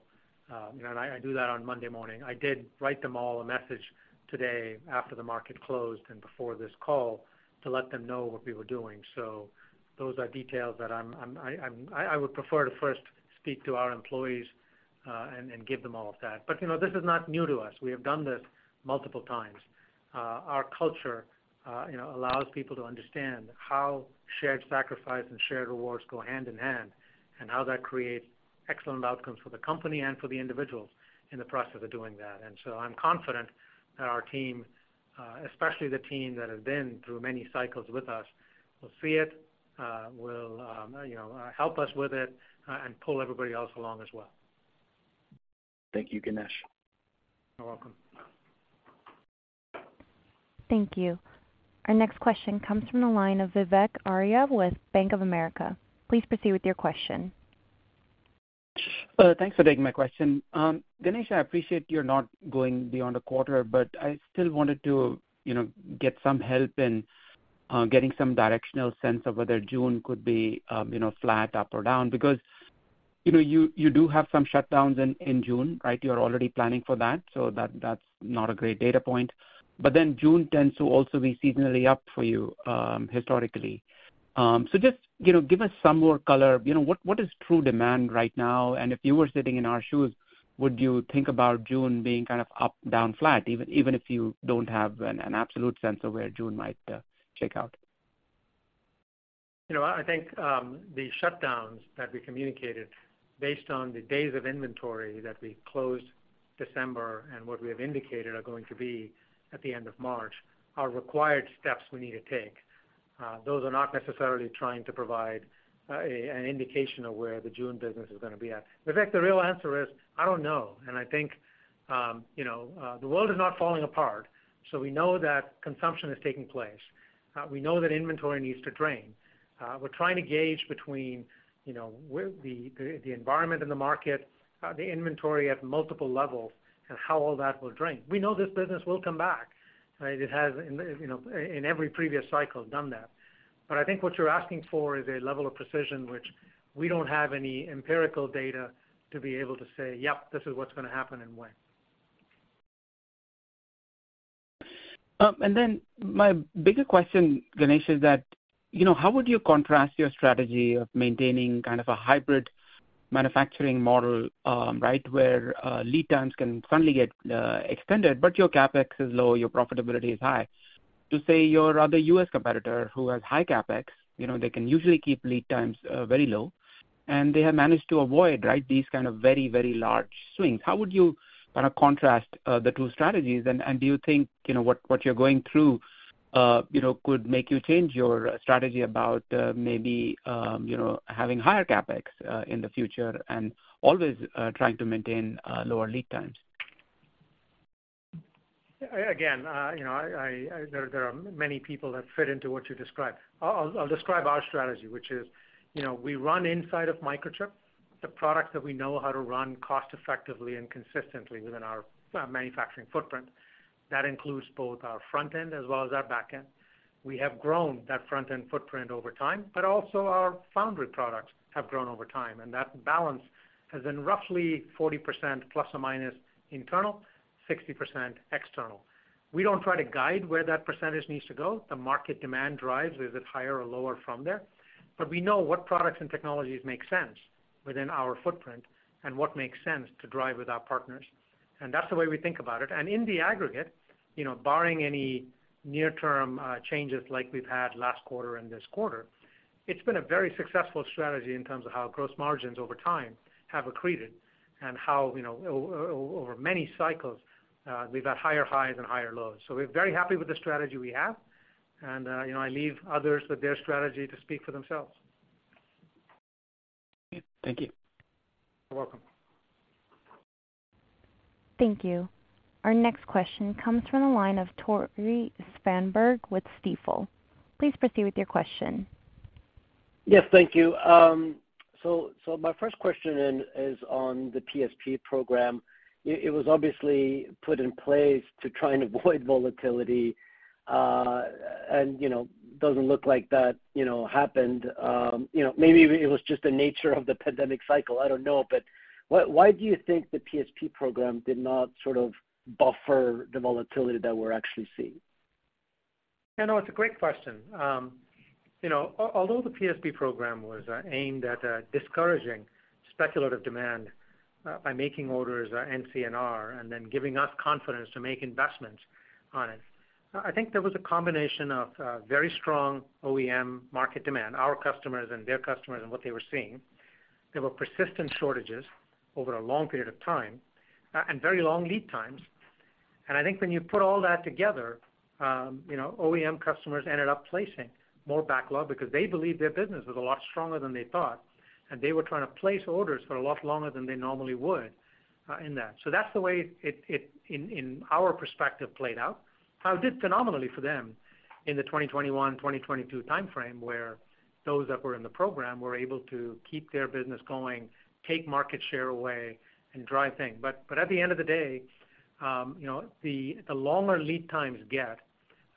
you know, and I do that on Monday morning. I did write them all a message today after the market closed and before this call to let them know what we were doing. So those are details that I would prefer to first speak to our employees, and give them all of that. But, you know, this is not new to us. We have done this multiple times. Our culture, you know, allows people to understand how shared sacrifice and shared rewards go hand in hand, and how that creates excellent outcomes for the company and for the individuals in the process of doing that. And so I'm confident that our team, especially the team that has been through many cycles with us, will see it, you know, help us with it, and pull everybody else along as well. Thank you, Ganesh. You're welcome. Thank you. Our next question comes from the line of Vivek Arya with Bank of America. Please proceed with your question. Thanks for taking my question. Ganesh, I appreciate you're not going beyond a quarter, but I still wanted to, you know, get some help in getting some directional sense of whether June could be, you know, flat, up or down. Because, you know, you do have some shutdowns in June, right? You're already planning for that, so that's not a great data point. But then June tends to also be seasonally up for you, historically. So just, you know, give us some more color. You know, what is true demand right now? And if you were sitting in our shoes, would you think about June being kind of up, down, flat, even if you don't have an absolute sense of where June might shake out? You know, I think, the shutdowns that we communicated based on the days of inventory that we closed December and what we have indicated are going to be at the end of March, are required steps we need to take. Those are not necessarily trying to provide, a, an indication of where the June business is gonna be at. Vivek, the real answer is, I don't know, and I think, you know, the world is not falling apart, so we know that consumption is taking place. We know that inventory needs to drain. We're trying to gauge between, you know, where the environment in the market, the inventory at multiple levels and how all that will drain. We know this business will come back, right? It has, in the, you know, in every previous cycle, done that. I think what you're asking for is a level of precision, which we don't have any empirical data to be able to say, "Yep, this is what's gonna happen and when. And then my bigger question, Ganesh, is that, you know, how would you contrast your strategy of maintaining kind of a hybrid manufacturing model, right, where, lead times can suddenly get, extended, but your CapEx is low, your profitability is high? To, say, your other U.S. competitor, who has high CapEx, you know, they can usually keep lead times, very low, and they have managed to avoid, right, these kind of very, very large swings. How would you kind of contrast, the two strategies? And, and do you think, you know, what, what you're going through, you know, could make you change your strategy about, maybe, you know, having higher CapEx, in the future and always, trying to maintain, lower lead times? Again, you know, there are many people that fit into what you described. I'll describe our strategy, which is, you know, we run inside of Microchip the products that we know how to run cost effectively and consistently within our manufacturing footprint. That includes both our front-end as well as our back-end. We have grown that front-end footprint over time, but also our foundry products have grown over time, and that balance has been roughly 40%, plus or minus internal, 60% external. We don't try to guide where that percentage needs to go. The market demand drives, is it higher or lower from there? But we know what products and technologies make sense within our footprint and what makes sense to drive with our partners, and that's the way we think about it. In the aggregate, you know, barring any near-term changes like we've had last quarter and this quarter, it's been a very successful strategy in terms of how gross margins over time have accreted and how, you know, over many cycles, we've got higher highs and higher lows. So we're very happy with the strategy we have, and, you know, I leave others with their strategy to speak for themselves. Thank you. You're welcome. Thank you. Our next question comes from the line of Tore Svanberg with Stifel. Please proceed with your question.... Yes, thank you. So, my first question is on the PSP program. It was obviously put in place to try and avoid volatility, and, you know, doesn't look like that, you know, happened. You know, maybe it was just the nature of the pandemic cycle, I don't know. But why do you think the PSP program did not sort of buffer the volatility that we're actually seeing? I know it's a great question. You know, although the PSP program was aimed at discouraging speculative demand by making orders NCNR, and then giving us confidence to make investments on it, I think there was a combination of very strong OEM market demand, our customers and their customers, and what they were seeing. There were persistent shortages over a long period of time, and very long lead times. And I think when you put all that together, you know, OEM customers ended up placing more backlog because they believed their business was a lot stronger than they thought, and they were trying to place orders for a lot longer than they normally would in that. So that's the way it in our perspective played out. Now, it did phenomenally for them in the 2021, 2022 timeframe, where those that were in the program were able to keep their business going, take market share away, and drive things. But at the end of the day, you know, the longer lead times get,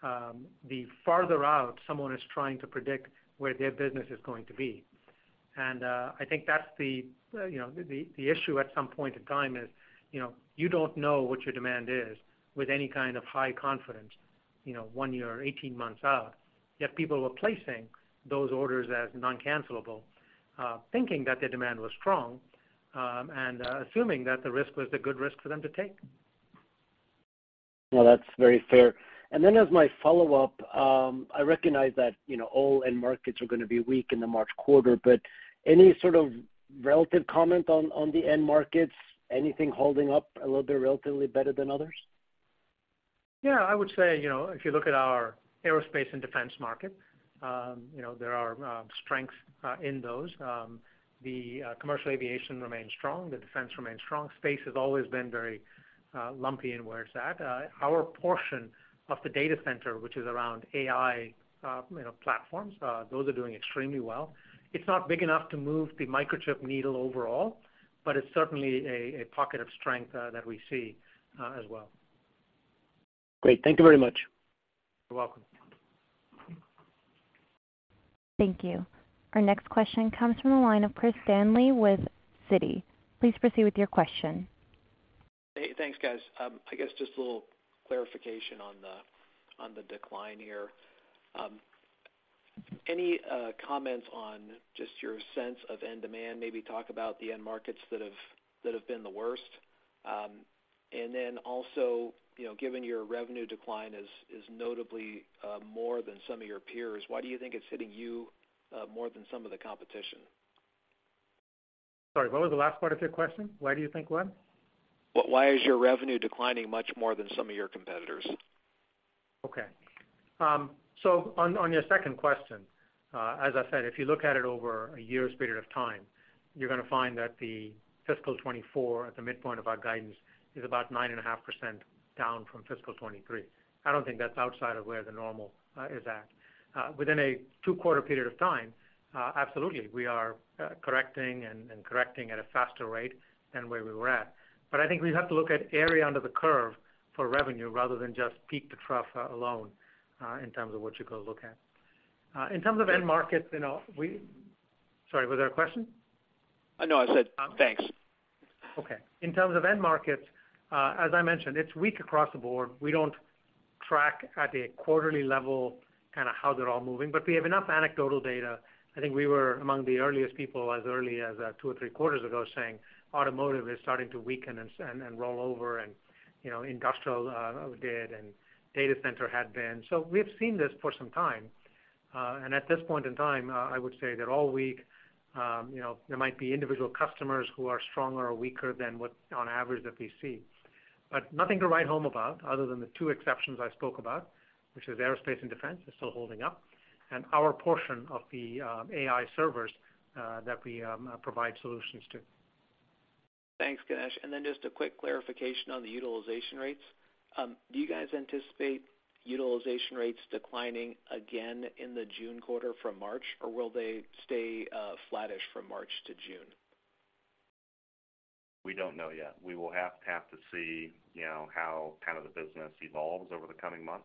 the farther out someone is trying to predict where their business is going to be. And, I think that's the, you know, the issue at some point in time is, you know, you don't know what your demand is with any kind of high confidence, you know, 1 year or 18 months out. Yet people were placing those orders as non-cancelable, thinking that the demand was strong, and assuming that the risk was a good risk for them to take. Well, that's very fair. And then as my follow-up, I recognize that, you know, all end markets are going to be weak in the March quarter, but any sort of relative comment on, on the end markets? Anything holding up a little bit relatively better than others? Yeah, I would say, you know, if you look at our aerospace and defense market, you know, there are strengths in those. The commercial aviation remains strong, the defense remains strong. Space has always been very lumpy in where it's at. Our portion of the data center, which is around AI, you know, platforms, those are doing extremely well. It's not big enough to move the Microchip needle overall, but it's certainly a pocket of strength that we see as well. Great. Thank you very much. You're welcome. Thank you. Our next question comes from the line of Chris Danely with Citi. Please proceed with your question. Hey, thanks, guys. I guess just a little clarification on the decline here. Any comments on just your sense of end demand, maybe talk about the end markets that have been the worst? And then also, you know, given your revenue decline is notably more than some of your peers, why do you think it's hitting you more than some of the competition? Sorry, what was the last part of your question? Why do you think what? Why is your revenue declining much more than some of your competitors? Okay. So on your second question, as I said, if you look at it over a year's period of time, you're going to find that the fiscal 2024, at the midpoint of our guidance, is about 9.5% down from fiscal 2023. I don't think that's outside of where the normal is at. Within a two-quarter period of time, absolutely, we are correcting and correcting at a faster rate than where we were at. But I think we have to look at area under the curve for revenue rather than just peak to trough alone, in terms of what you go look at. In terms of end markets, you know, we— Sorry, was there a question? No, I said thanks. Okay. In terms of end markets, as I mentioned, it's weak across the board. We don't track at a quarterly level, kind of how they're all moving, but we have enough anecdotal data. I think we were among the earliest people, as early as two or three quarters ago, saying automotive is starting to weaken and roll over and, you know, industrial did, and data center had been. So we've seen this for some time, and at this point in time, I would say they're all weak. You know, there might be individual customers who are stronger or weaker than what on average that we see. But nothing to write home about other than the two exceptions I spoke about, which is aerospace and defense is still holding up, and our portion of the AI servers that we provide solutions to. Thanks, Ganesh. Then just a quick clarification on the utilization rates. Do you guys anticipate utilization rates declining again in the June quarter from March, or will they stay flattish from March to June? We don't know yet. We will have to see, you know, how kind of the business evolves over the coming months.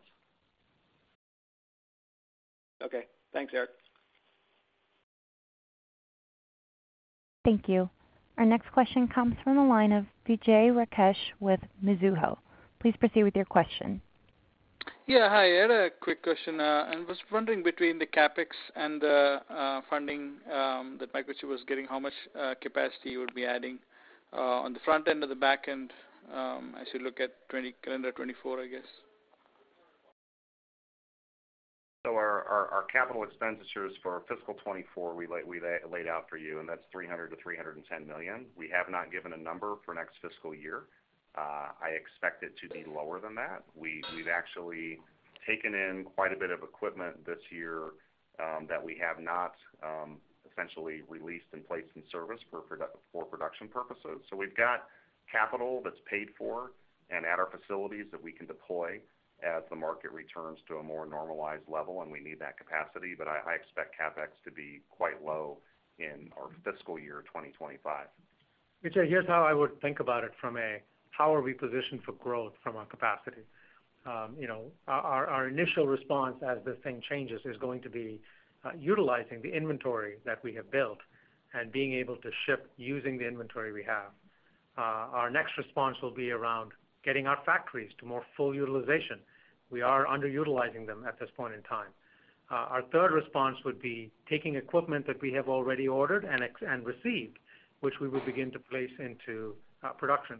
Okay. Thanks, Eric. Thank you. Our next question comes from the line of Vijay Rakesh with Mizuho. Please proceed with your question. Yeah, hi. I had a quick question. I was wondering, between the CapEx and the funding that Microchip was getting, how much capacity you would be adding on the front-end or the back-end as you look at 2024, I guess? So our capital expenditures for fiscal 2024, we laid out for you, and that's $300 million-$310 million. We have not given a number for next fiscal year. I expect it to be lower than that. We've actually taken in quite a bit of equipment this year that we have not,... essentially released and placed in service for product, for production purposes. So we've got capital that's paid for and at our facilities that we can deploy as the market returns to a more normalized level, and we need that capacity. But I, I expect CapEx to be quite low in our fiscal year, 2025. Vijay, here's how I would think about it from a, how are we positioned for growth from a capacity? You know, our initial response as this thing changes is going to be utilizing the inventory that we have built and being able to ship using the inventory we have. Our next response will be around getting our factories to more full utilization. We are underutilizing them at this point in time. Our third response would be taking equipment that we have already ordered and received, which we will begin to place into production,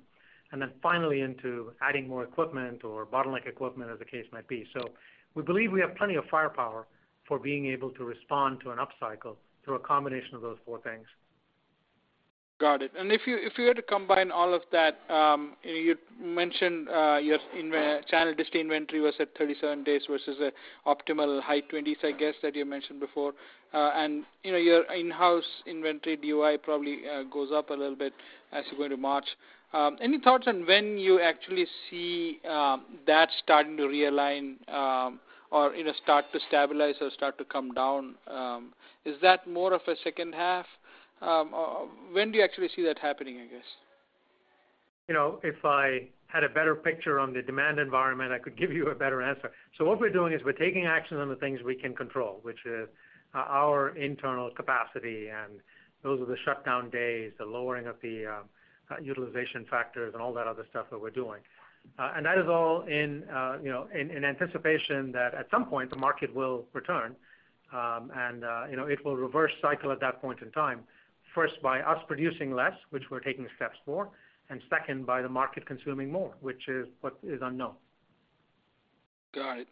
and then finally into adding more equipment or bottleneck equipment, as the case might be. So we believe we have plenty of firepower for being able to respond to an upcycle through a combination of those four things. Got it. And if you, if you were to combine all of that, you mentioned, your in-channel dist inventory was at 37 days versus an optimal high 20s, I guess, that you mentioned before. And, you know, your in-house inventory DOI probably goes up a little bit as you go into March. Any thoughts on when you actually see that starting to realign, or, you know, start to stabilize or start to come down? Is that more of a second half? When do you actually see that happening, I guess? You know, if I had a better picture on the demand environment, I could give you a better answer. So what we're doing is we're taking actions on the things we can control, which is our internal capacity, and those are the shutdown days, the lowering of the utilization factors, and all that other stuff that we're doing. And that is all in, you know, in anticipation that at some point, the market will return, and, you know, it will reverse cycle at that point in time. First, by us producing less, which we're taking steps for, and second, by the market consuming more, which is what is unknown. Got it.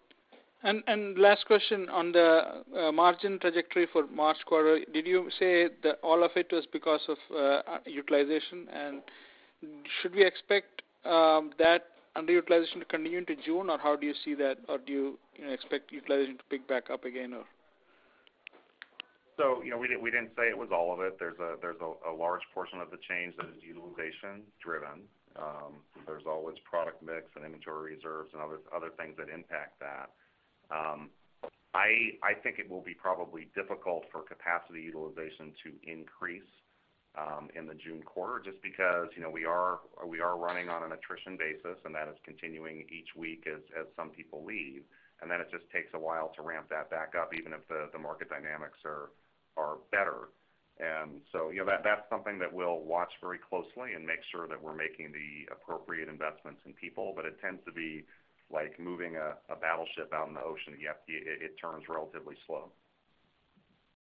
And last question on the margin trajectory for March quarter, did you say that all of it was because of utilization? And should we expect that underutilization to continue into June, or how do you see that? Or do you, you know, expect utilization to pick back up again, or? So, you know, we didn't say it was all of it. There's a large portion of the change that is utilization-driven. There's always product mix and inventory reserves and other things that impact that. I think it will be probably difficult for capacity utilization to increase in the June quarter, just because, you know, we are running on an attrition basis, and that is continuing each week as some people leave. And then it just takes a while to ramp that back up, even if the market dynamics are better. And so, you know, that's something that we'll watch very closely and make sure that we're making the appropriate investments in people. But it tends to be like moving a battleship out in the ocean. It turns relatively slow.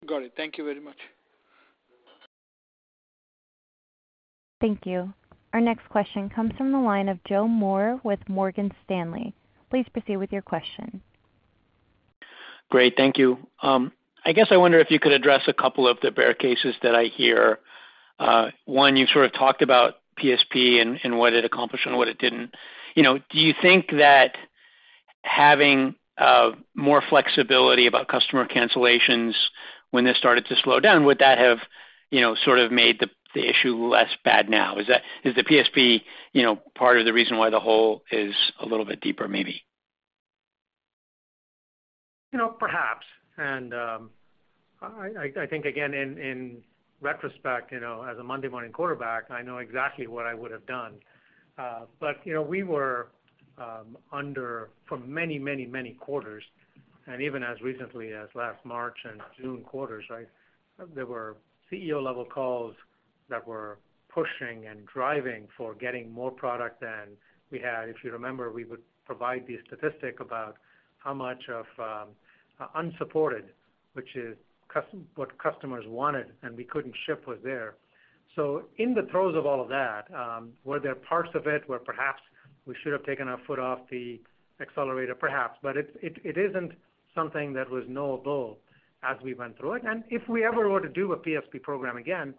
Got it. Thank you very much. Thank you. Our next question comes from the line of Joe Moore with Morgan Stanley. Please proceed with your question. Great. Thank you. I guess I wonder if you could address a couple of the bear cases that I hear. One, you sort of talked about PSP and, and what it accomplished and what it didn't. You know, do you think that having more flexibility about customer cancellations when this started to slow down, would that have, you know, sort of made the issue less bad now? Is the PSP, you know, part of the reason why the hole is a little bit deeper, maybe? You know, perhaps. I think again, in retrospect, you know, as a Monday morning quarterback, I know exactly what I would have done. But you know, we were under for many, many, many quarters, and even as recently as last March and June quarters, right? There were CEO-level calls that were pushing and driving for getting more product than we had. If you remember, we would provide the statistic about how much of unsupported, which is what customers wanted and we couldn't ship, was there. So in the throes of all of that, were there parts of it where perhaps we should have taken our foot off the accelerator? Perhaps. But it isn't something that was knowable as we went through it. If we ever were to do a PSP program again,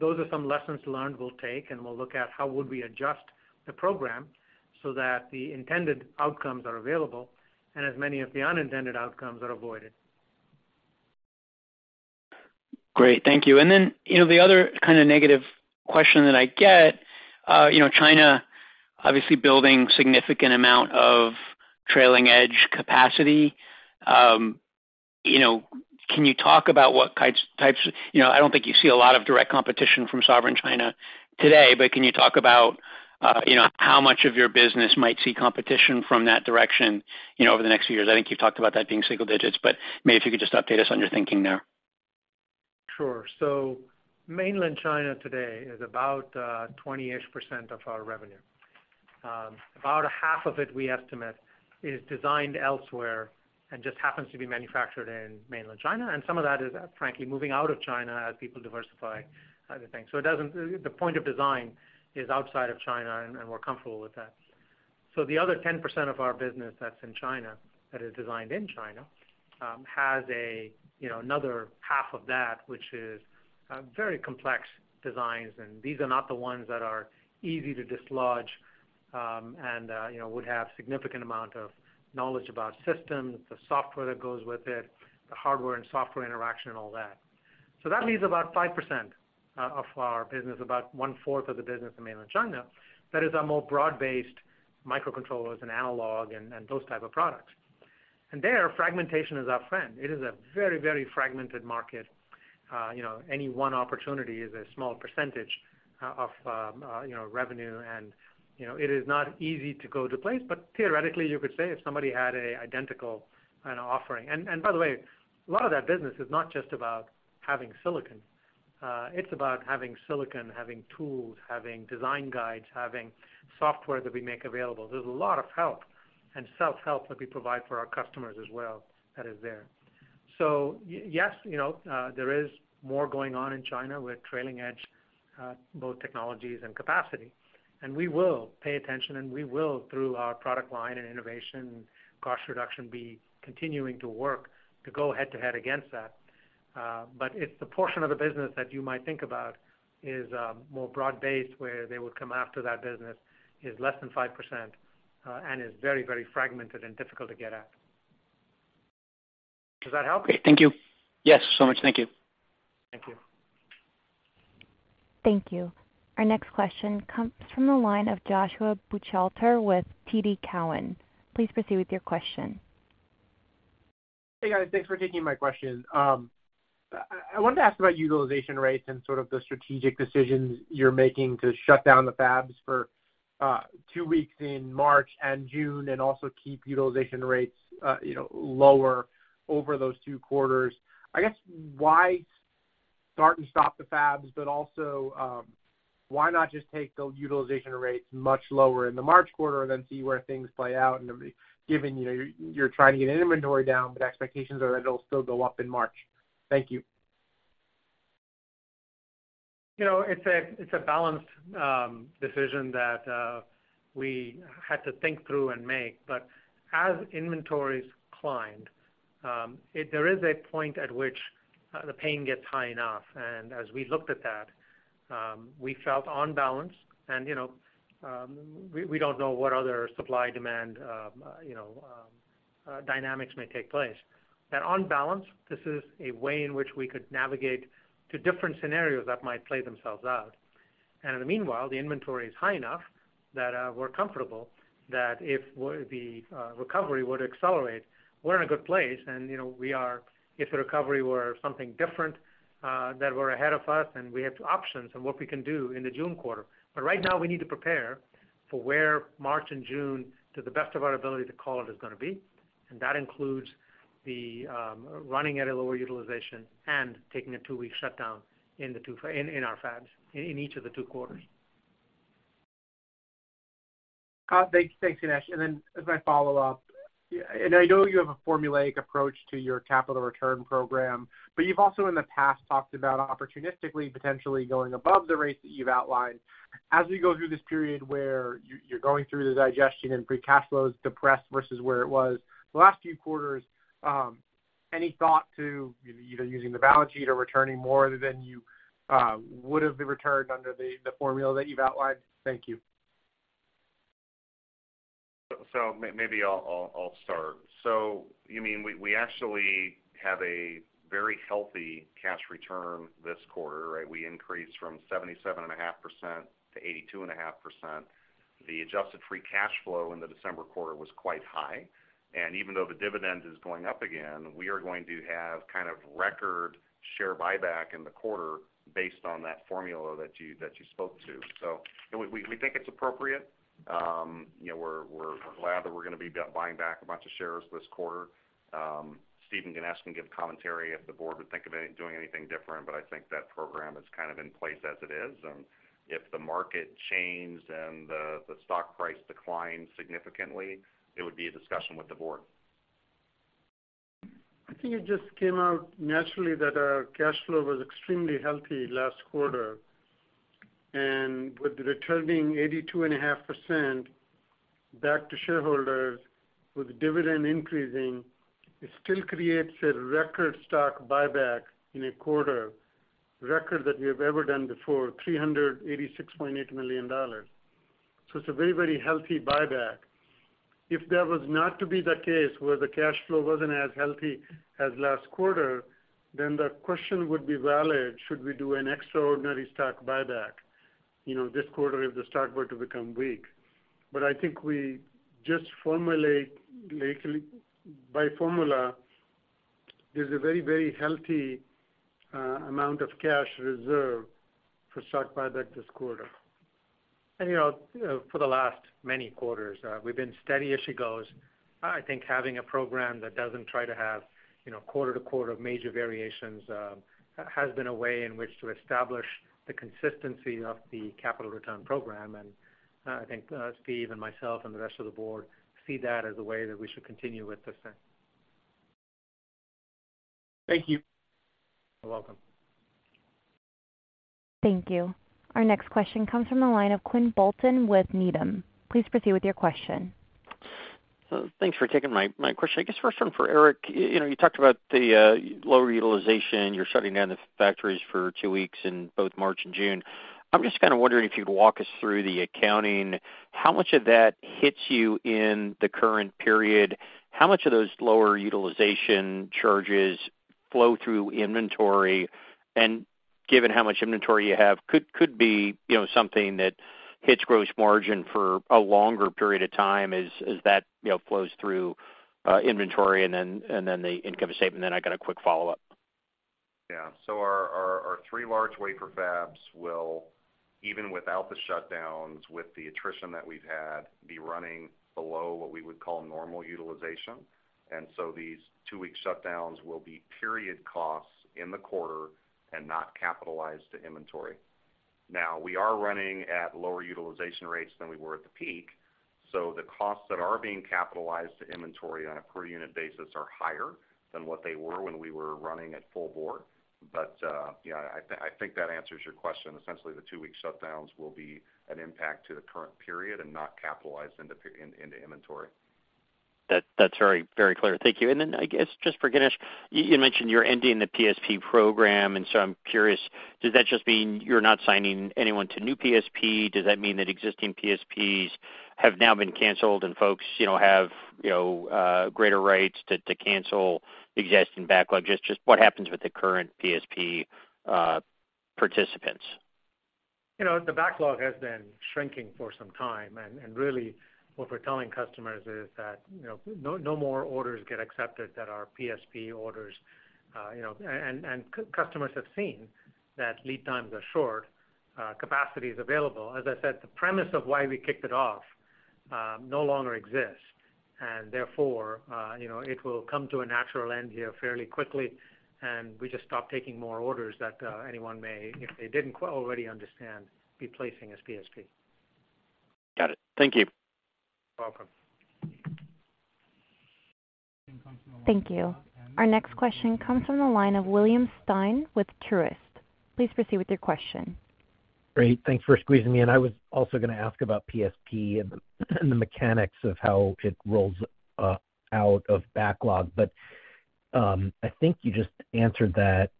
those are some lessons learned we'll take, and we'll look at how would we adjust the program so that the intended outcomes are available and as many of the unintended outcomes are avoided. Great. Thank you. And then, you know, the other kind of negative question that I get, you know, China obviously building significant amount of trailing-edge capacity. You know, can you talk about what types... You know, I don't think you see a lot of direct competition from sovereign China today, but can you talk about, you know, how much of your business might see competition from that direction, you know, over the next few years? I think you've talked about that being single digits, but maybe if you could just update us on your thinking there. Sure. So Mainland China today is about 20-ish% of our revenue. About a half of it, we estimate, is designed elsewhere and just happens to be manufactured in Mainland China, and some of that is, frankly, moving out of China as people diversify other things. So it doesn't. The point of design is outside of China, and we're comfortable with that. So the other 10% of our business that's in China, that is designed in China, has a, you know, another half of that, which is very complex designs, and these are not the ones that are easy to dislodge, and, you know, would have significant amount of knowledge about systems, the software that goes with it, the hardware and software interaction and all that. So that leaves about 5% of our business, about one-fourth of the business in Mainland China. That is a more broad-based microcontrollers and analog and, and those type of products. And there, fragmentation is our friend. It is a very, very fragmented market. You know, any one opportunity is a small percentage of, you know, revenue, and, you know, it is not easy to go to place, but theoretically, you could say if somebody had a identical, kind of, offering. And, and by the way, a lot of that business is not just about having silicon. It's about having silicon, having tools, having design guides, having software that we make available. There's a lot of help and self-help that we provide for our customers as well, that is there. So yes, you know, there is more going on in China with trailing-edge, both technologies and capacity, and we will pay attention, and we will, through our product line and innovation, cost reduction, be continuing to work to go head-to-head against that. But if the portion of the business that you might think about is, more broad-based, where they would come after that business, is less than 5%, and is very, very fragmented and difficult to get at. Does that help? Okay, thank you. Yes, so much. Thank you. Thank you. Thank you. Our next question comes from the line of Joshua Buchalter with TD Cowen. Please proceed with your question. Hey, guys, thanks for taking my question. I wanted to ask about utilization rates and sort of the strategic decisions you're making to shut down the fabs for two weeks in March and June, and also keep utilization rates, you know, lower over those two quarters. I guess, why start and stop the fabs, but also, why not just take the utilization rates much lower in the March quarter, and then see where things play out, and then given, you know, you're trying to get an inventory down, but expectations are that it'll still go up in March. Thank you. You know, it's a balanced decision that we had to think through and make, but as inventories climbed, there is a point at which the pain gets high enough, and as we looked at that, we felt on balance, and you know, we don't know what other supply-demand dynamics may take place. That on balance, this is a way in which we could navigate to different scenarios that might play themselves out. And in the meanwhile, the inventory is high enough that we're comfortable that if the recovery were to accelerate, we're in a good place and, you know, we are if the recovery were something different that we're ahead of us, and we have options on what we can do in the June quarter. But right now we need to prepare for where March and June, to the best of our ability to call it, is gonna be, and that includes the running at a lower utilization and taking a two-week shutdown in our fabs in each of the two quarters. Thanks, thanks, Ganesh. And then as my follow-up, and I know you have a formulaic approach to your capital return program, but you've also in the past, talked about opportunistically, potentially going above the rates that you've outlined. As we go through this period where you're going through the digestion and free cash flows, depressed versus where it was the last few quarters, any thought to either using the balance sheet or returning more than you would have returned under the formula that you've outlined? Thank you. So maybe I'll start. So you mean we actually have a very healthy cash return this quarter, right? We increased from 77.5% to 82.5%. The Adjusted Free Cash Flow in the December quarter was quite high, and even though the dividend is going up again, we are going to have kind of record share buyback in the quarter based on that formula that you spoke to. So we think it's appropriate. You know, we're glad that we're gonna be buying back a bunch of shares this quarter. Steve can ask and give commentary if the board would think of anything different, but I think that program is kind of in place as it is, and if the market changed and the stock price declined significantly, it would be a discussion with the board. I think it just came out naturally that our cash flow was extremely healthy last quarter, and with returning 82.5% back to shareholders with dividend increasing, it still creates a record stock buyback in a quarter, record that we have ever done before, $386.8 million. So it's a very, very healthy buyback. If that was not to be the case, where the cash flow wasn't as healthy as last quarter, then the question would be valid: Should we do an extraordinary stock buyback, you know, this quarter, if the stock were to become weak? But I think we just formulate, like, by formula, there's a very, very healthy, amount of cash reserve for stock buyback this quarter. You know, for the last many quarters, we've been steady as she goes. I think having a program that doesn't try to have, you know, quarter-to-quarter major variations has been a way in which to establish the consistency of the capital return program. I think Steve and myself and the rest of the board see that as a way that we should continue with this thing. Thank you. You're welcome. Thank you. Our next question comes from the line of Quinn Bolton with Needham. Please proceed with your question.... Thanks for taking my question. I guess first one for Eric. You know, you talked about the lower utilization. You're shutting down the factories for two weeks in both March and June. I'm just kind of wondering if you'd walk us through the accounting. How much of that hits you in the current period? How much of those lower utilization charges flow through inventory? And given how much inventory you have, could be, you know, something that hits gross margin for a longer period of time as that, you know, flows through inventory and then the income statement. Then I got a quick follow-up. Yeah. So our three large wafer fabs will, even without the shutdowns, with the attrition that we've had, be running below what we would call normal utilization. And so these two-week shutdowns will be period costs in the quarter and not capitalized to inventory. Now, we are running at lower utilization rates than we were at the peak, so the costs that are being capitalized to inventory on a per unit basis are higher than what they were when we were running at full bore. But, yeah, I think that answers your question. Essentially, the two-week shutdowns will be an impact to the current period and not capitalized into inventory. That, that's very, very clear. Thank you. And then, I guess, just for Ganesh, you mentioned you're ending the PSP program, and so I'm curious, does that just mean you're not signing anyone to new PSP? Does that mean that existing PSPs have now been canceled and folks, you know, have, you know, greater rights to cancel existing backlog? Just what happens with the current PSP participants? You know, the backlog has been shrinking for some time, and really, what we're telling customers is that, you know, no, no more orders get accepted that are PSP orders. You know, and customers have seen that lead times are short, capacity is available. As I said, the premise of why we kicked it off no longer exists, and therefore, you know, it will come to a natural end here fairly quickly, and we just stop taking more orders that anyone may, if they didn't quite already understand, be placing as PSP. Got it. Thank you. Welcome. Thank you. Our next question comes from the line of William Stein with Truist. Please proceed with your question. Great. Thanks for squeezing me in. I was also gonna ask about PSP and the mechanics of how it rolls out of backlog, but I think you just answered that.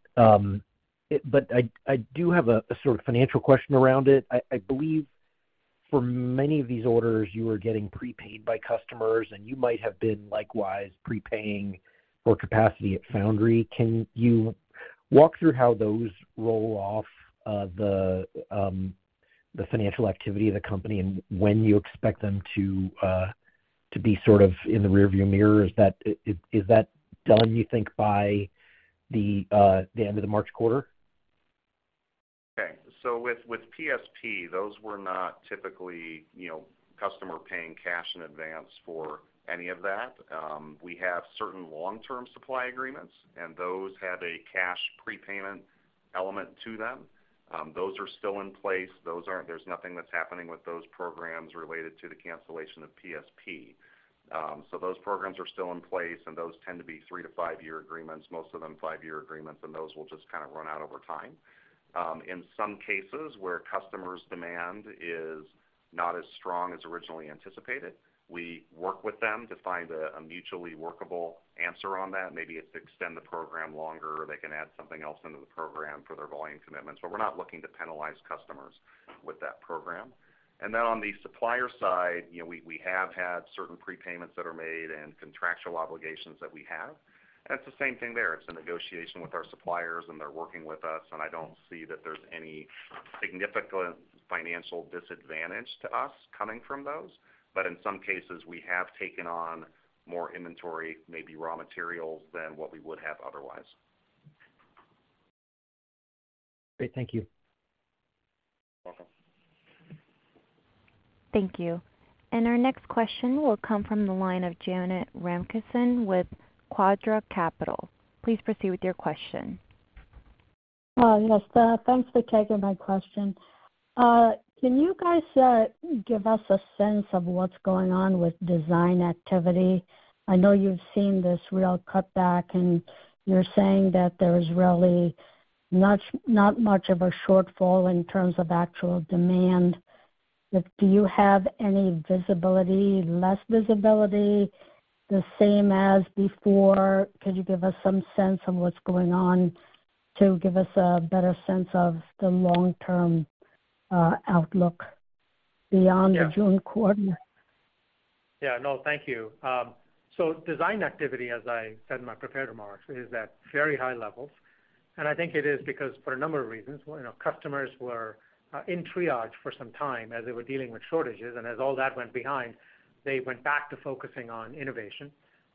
But I do have a sort of financial question around it. I believe for many of these orders, you were getting prepaid by customers, and you might have been likewise prepaying for capacity at foundry. Can you walk through how those roll off the financial activity of the company, and when you expect them to be sort of in the rearview mirror? Is that done, you think, by the end of the March quarter? Okay, so with PSP, those were not typically, you know, customer paying cash in advance for any of that. We have certain long-term supply agreements, and those had a cash prepayment element to them. Those are still in place. Those aren't. There's nothing that's happening with those programs related to the cancellation of PSP. So those programs are still in place, and those tend to be 3- to 5-year agreements, most of them 5-year agreements, and those will just kind of run out over time. In some cases, where customers' demand is not as strong as originally anticipated, we work with them to find a mutually workable answer on that. Maybe it's to extend the program longer, or they can add something else into the program for their volume commitments, but we're not looking to penalize customers with that program. And then on the supplier side, you know, we have had certain prepayments that are made and contractual obligations that we have, and it's the same thing there. It's a negotiation with our suppliers, and they're working with us, and I don't see that there's any significant financial disadvantage to us coming from those. But in some cases, we have taken on more inventory, maybe raw materials, than what we would have otherwise. Great, thank you. Welcome. Thank you. And our next question will come from the line of Janet Ramkissoon with Quadra Capital. Please proceed with your question. Oh, yes, thanks for taking my question. Can you guys give us a sense of what's going on with design activity? I know you've seen this real cutback, and you're saying that there is really not, not much of a shortfall in terms of actual demand. But do you have any visibility, less visibility, the same as before? Could you give us some sense of what's going on to give us a better sense of the long-term outlook beyond- Yeah the June quarter? Yeah, no, thank you. So design activity, as I said in my prepared remarks, is at very high levels, and I think it is because for a number of reasons. You know, customers were in triage for some time as they were dealing with shortages, and as all that went behind, they went back to focusing on innovation.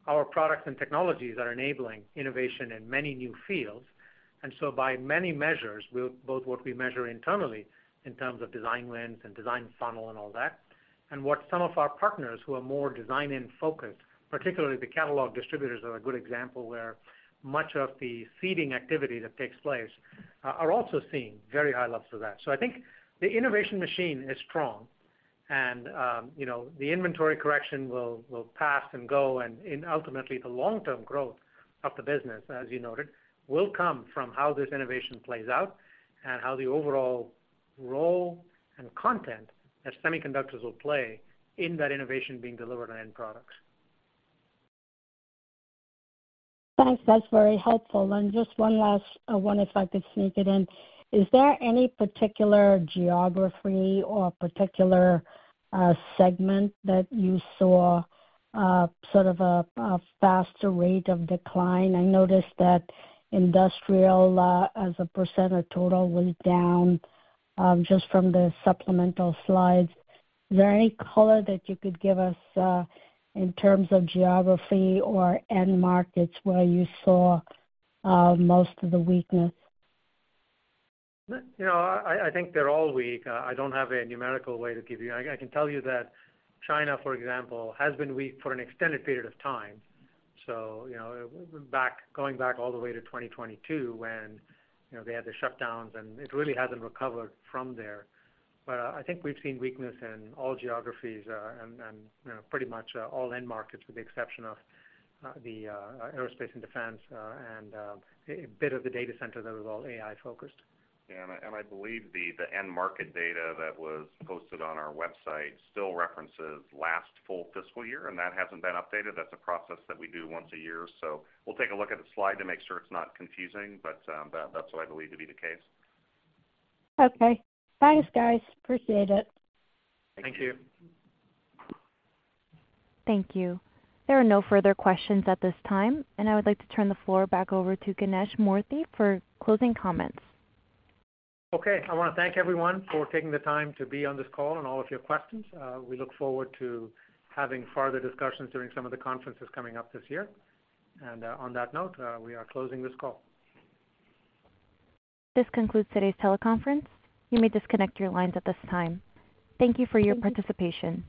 Our products and technologies are enabling innovation in many new fields, and so by many measures, both what we measure internally in terms of design wins and design funnel and all that, and what some of our partners who are more design-in focused, particularly the catalog distributors, are a good example where much of the seeding activity that takes place, are also seeing very high levels of that. So I think the innovation machine is strong and, you know, the inventory correction will pass and go, and ultimately, the long-term growth of the business, as you noted, will come from how this innovation plays out and how the overall role and content that semiconductors will play in that innovation being delivered on end products. Thanks. That's very helpful. And just one last one, if I could sneak it in. Is there any particular geography or particular segment that you saw sort of a faster rate of decline? I noticed that industrial as a % of total was down just from the supplemental slides. Is there any color that you could give us in terms of geography or end markets where you saw most of the weakness? You know, I think they're all weak. I don't have a numerical way to give you. I can tell you that China, for example, has been weak for an extended period of time, so you know, back, going back all the way to 2022, when, you know, they had the shutdowns, and it really hasn't recovered from there. But I think we've seen weakness in all geographies, and you know, pretty much all end markets, with the exception of the aerospace and defense, and a bit of the data center that was all AI-focused. Yeah, and I believe the end market data that was posted on our website still references last full fiscal year, and that hasn't been updated. That's a process that we do once a year, so we'll take a look at the slide to make sure it's not confusing, but that's what I believe to be the case. Okay. Thanks, guys. Appreciate it. Thank you. Thank you. Thank you. There are no further questions at this time, and I would like to turn the floor back over to Ganesh Moorthy for closing comments. Okay, I wanna thank everyone for taking the time to be on this call and all of your questions. We look forward to having further discussions during some of the conferences coming up this year. On that note, we are closing this call. This concludes today's teleconference. You may disconnect your lines at this time. Thank you for your participation.